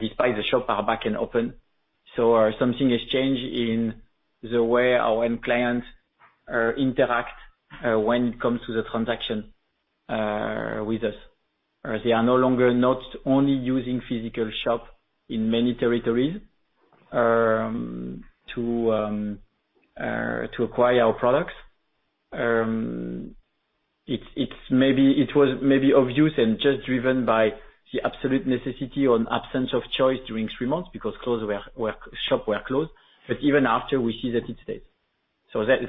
despite the shop are back and open. Something has changed in the way our end clients interact when it comes to the transaction with us. They are no longer not only using physical shop in many territories to acquire our products. It was maybe of use and just driven by the absolute necessity on absence of choice during three months because shops were closed, even after, we see that it stays.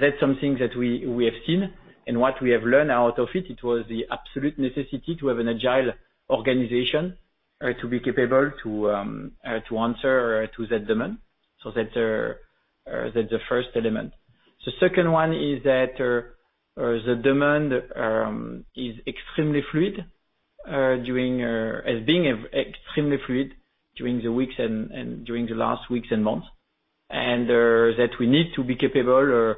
That's something that we have seen and what we have learned out of it was the absolute necessity to have an agile organization to be capable to answer to that demand. That's the first element. The second one is that the demand has been extremely fluid during the last weeks and months, and that we need to be capable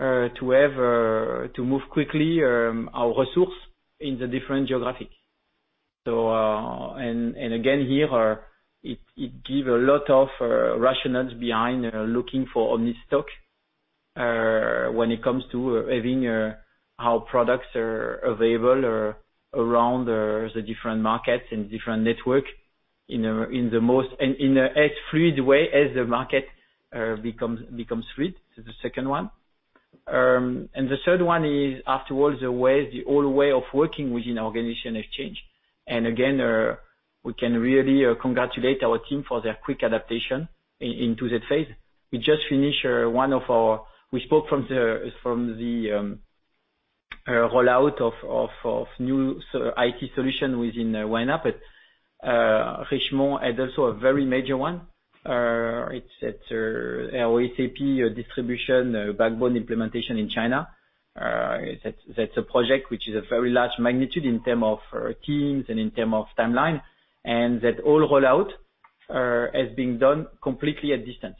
to move quickly our resource in the different geographic. Again, here, it give a lot of rationale behind looking for omnistock when it comes to having our products available around the different markets and different network in as fluid way as the market becomes fluid. This is the second one. The third one is, after all, the old way of working within our organization has changed. Again, we can really congratulate our team for their quick adaptation into that phase. We spoke from the rollout of new IT solution within YNAP, but Richemont had also a very major one. It's our SAP distribution backbone implementation in China. That's a project which is a very large magnitude in terms of teams and in terms of timeline, and that all rollout has been done completely at distance.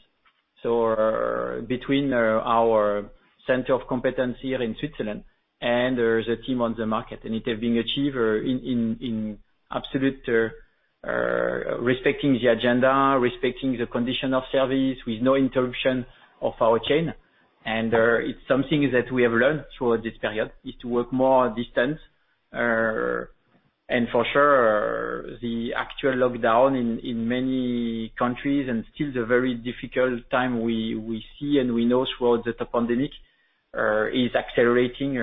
Between our center of competence here in Switzerland and the team on the market, and it has been achieved in absolute respecting the agenda, respecting the condition of service with no interruption of our chain. It's something that we have learned throughout this period, is to work more distance. For sure, the actual lockdown in many countries and still the very difficult time we see and we know throughout the pandemic is accelerating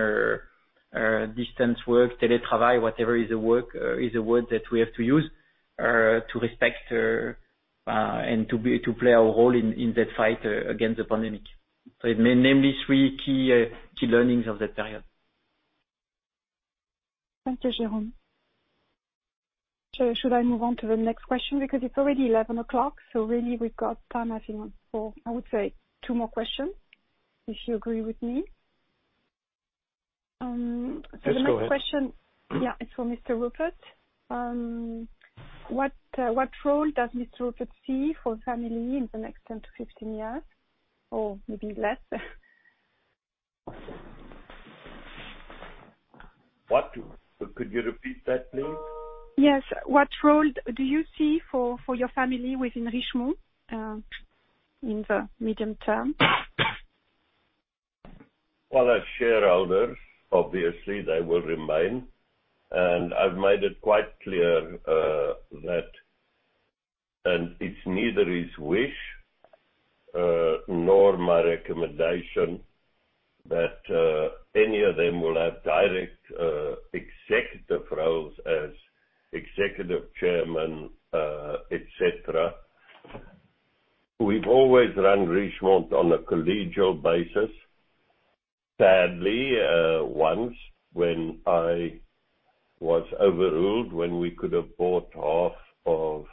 distance work, tele travail, whatever is the word that we have to use to respect and to play our role in that fight against the pandemic. It may name the three key learnings of that period. Thank you, Jérôme. Should I move on to the next question? It's already 11:00 A.M., really we've got time, I think for, I would say two more questions, if you agree with me. Yes, go ahead. The next question, yeah, it's for Mr. Rupert. What role does Mr. Rupert see for family in the next 10-15 years? Or maybe less? What? Could you repeat that, please? Yes. What role do you see for your family within Richemont in the medium term? Well, as shareholders, obviously they will remain. I've made it quite clear that it's neither his wish nor my recommendation that any of them will have direct executive roles as executive chairman, etc. We've always run Richemont on a collegial basis. Sadly, once when I was overruled, when we could have bought half of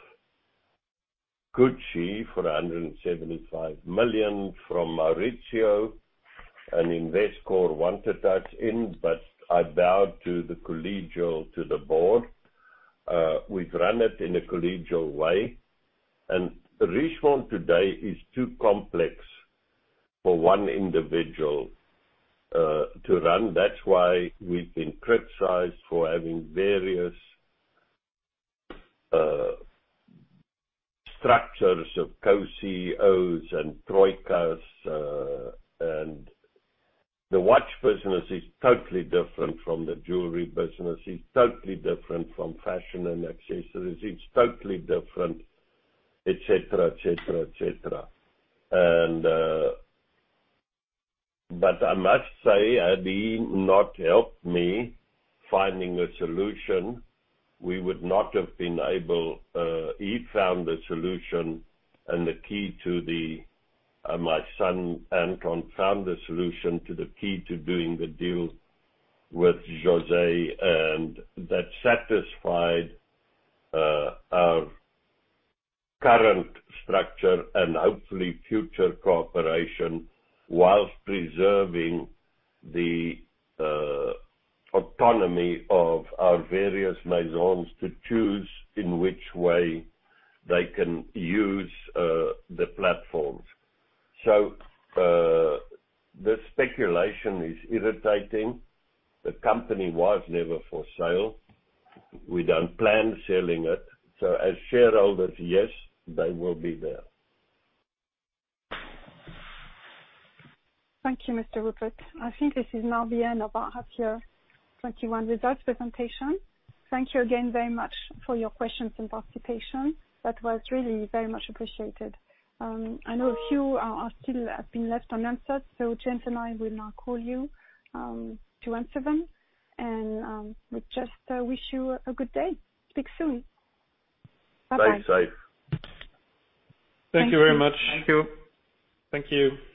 Gucci for 175 million from Maurizio, and Investcorp wanted a touch in, but I bowed to the board. We've run it in a collegial way, and Richemont today is too complex for one individual to run. That's why we've been criticized for having various structures of co-CEOs and troikas. The watch business is totally different from the jewelry business, it's totally different from fashion and accessories, it's totally different, et cetera. I must say, had he not helped me finding a solution, we would not have been able. My son, Anton, found the solution to the key to doing the deal with José, and that satisfied our current structure and hopefully future cooperation whilst preserving the autonomy of our various Maisons to choose in which way they can use the platforms. The speculation is irritating. The company was never for sale. We don't plan selling it. As shareholders, yes, they will be there. Thank you, Mr. Rupert. I think this is now the end of our first half 2021 results presentation. Thank you again very much for your questions and participation. That was really very much appreciated. I know a few are still have been left unanswered, so James and I will now call you to answer them. We just wish you a good day. Speak soon. Bye-bye. Stay safe. Thank you very much. Thank you. Thank you.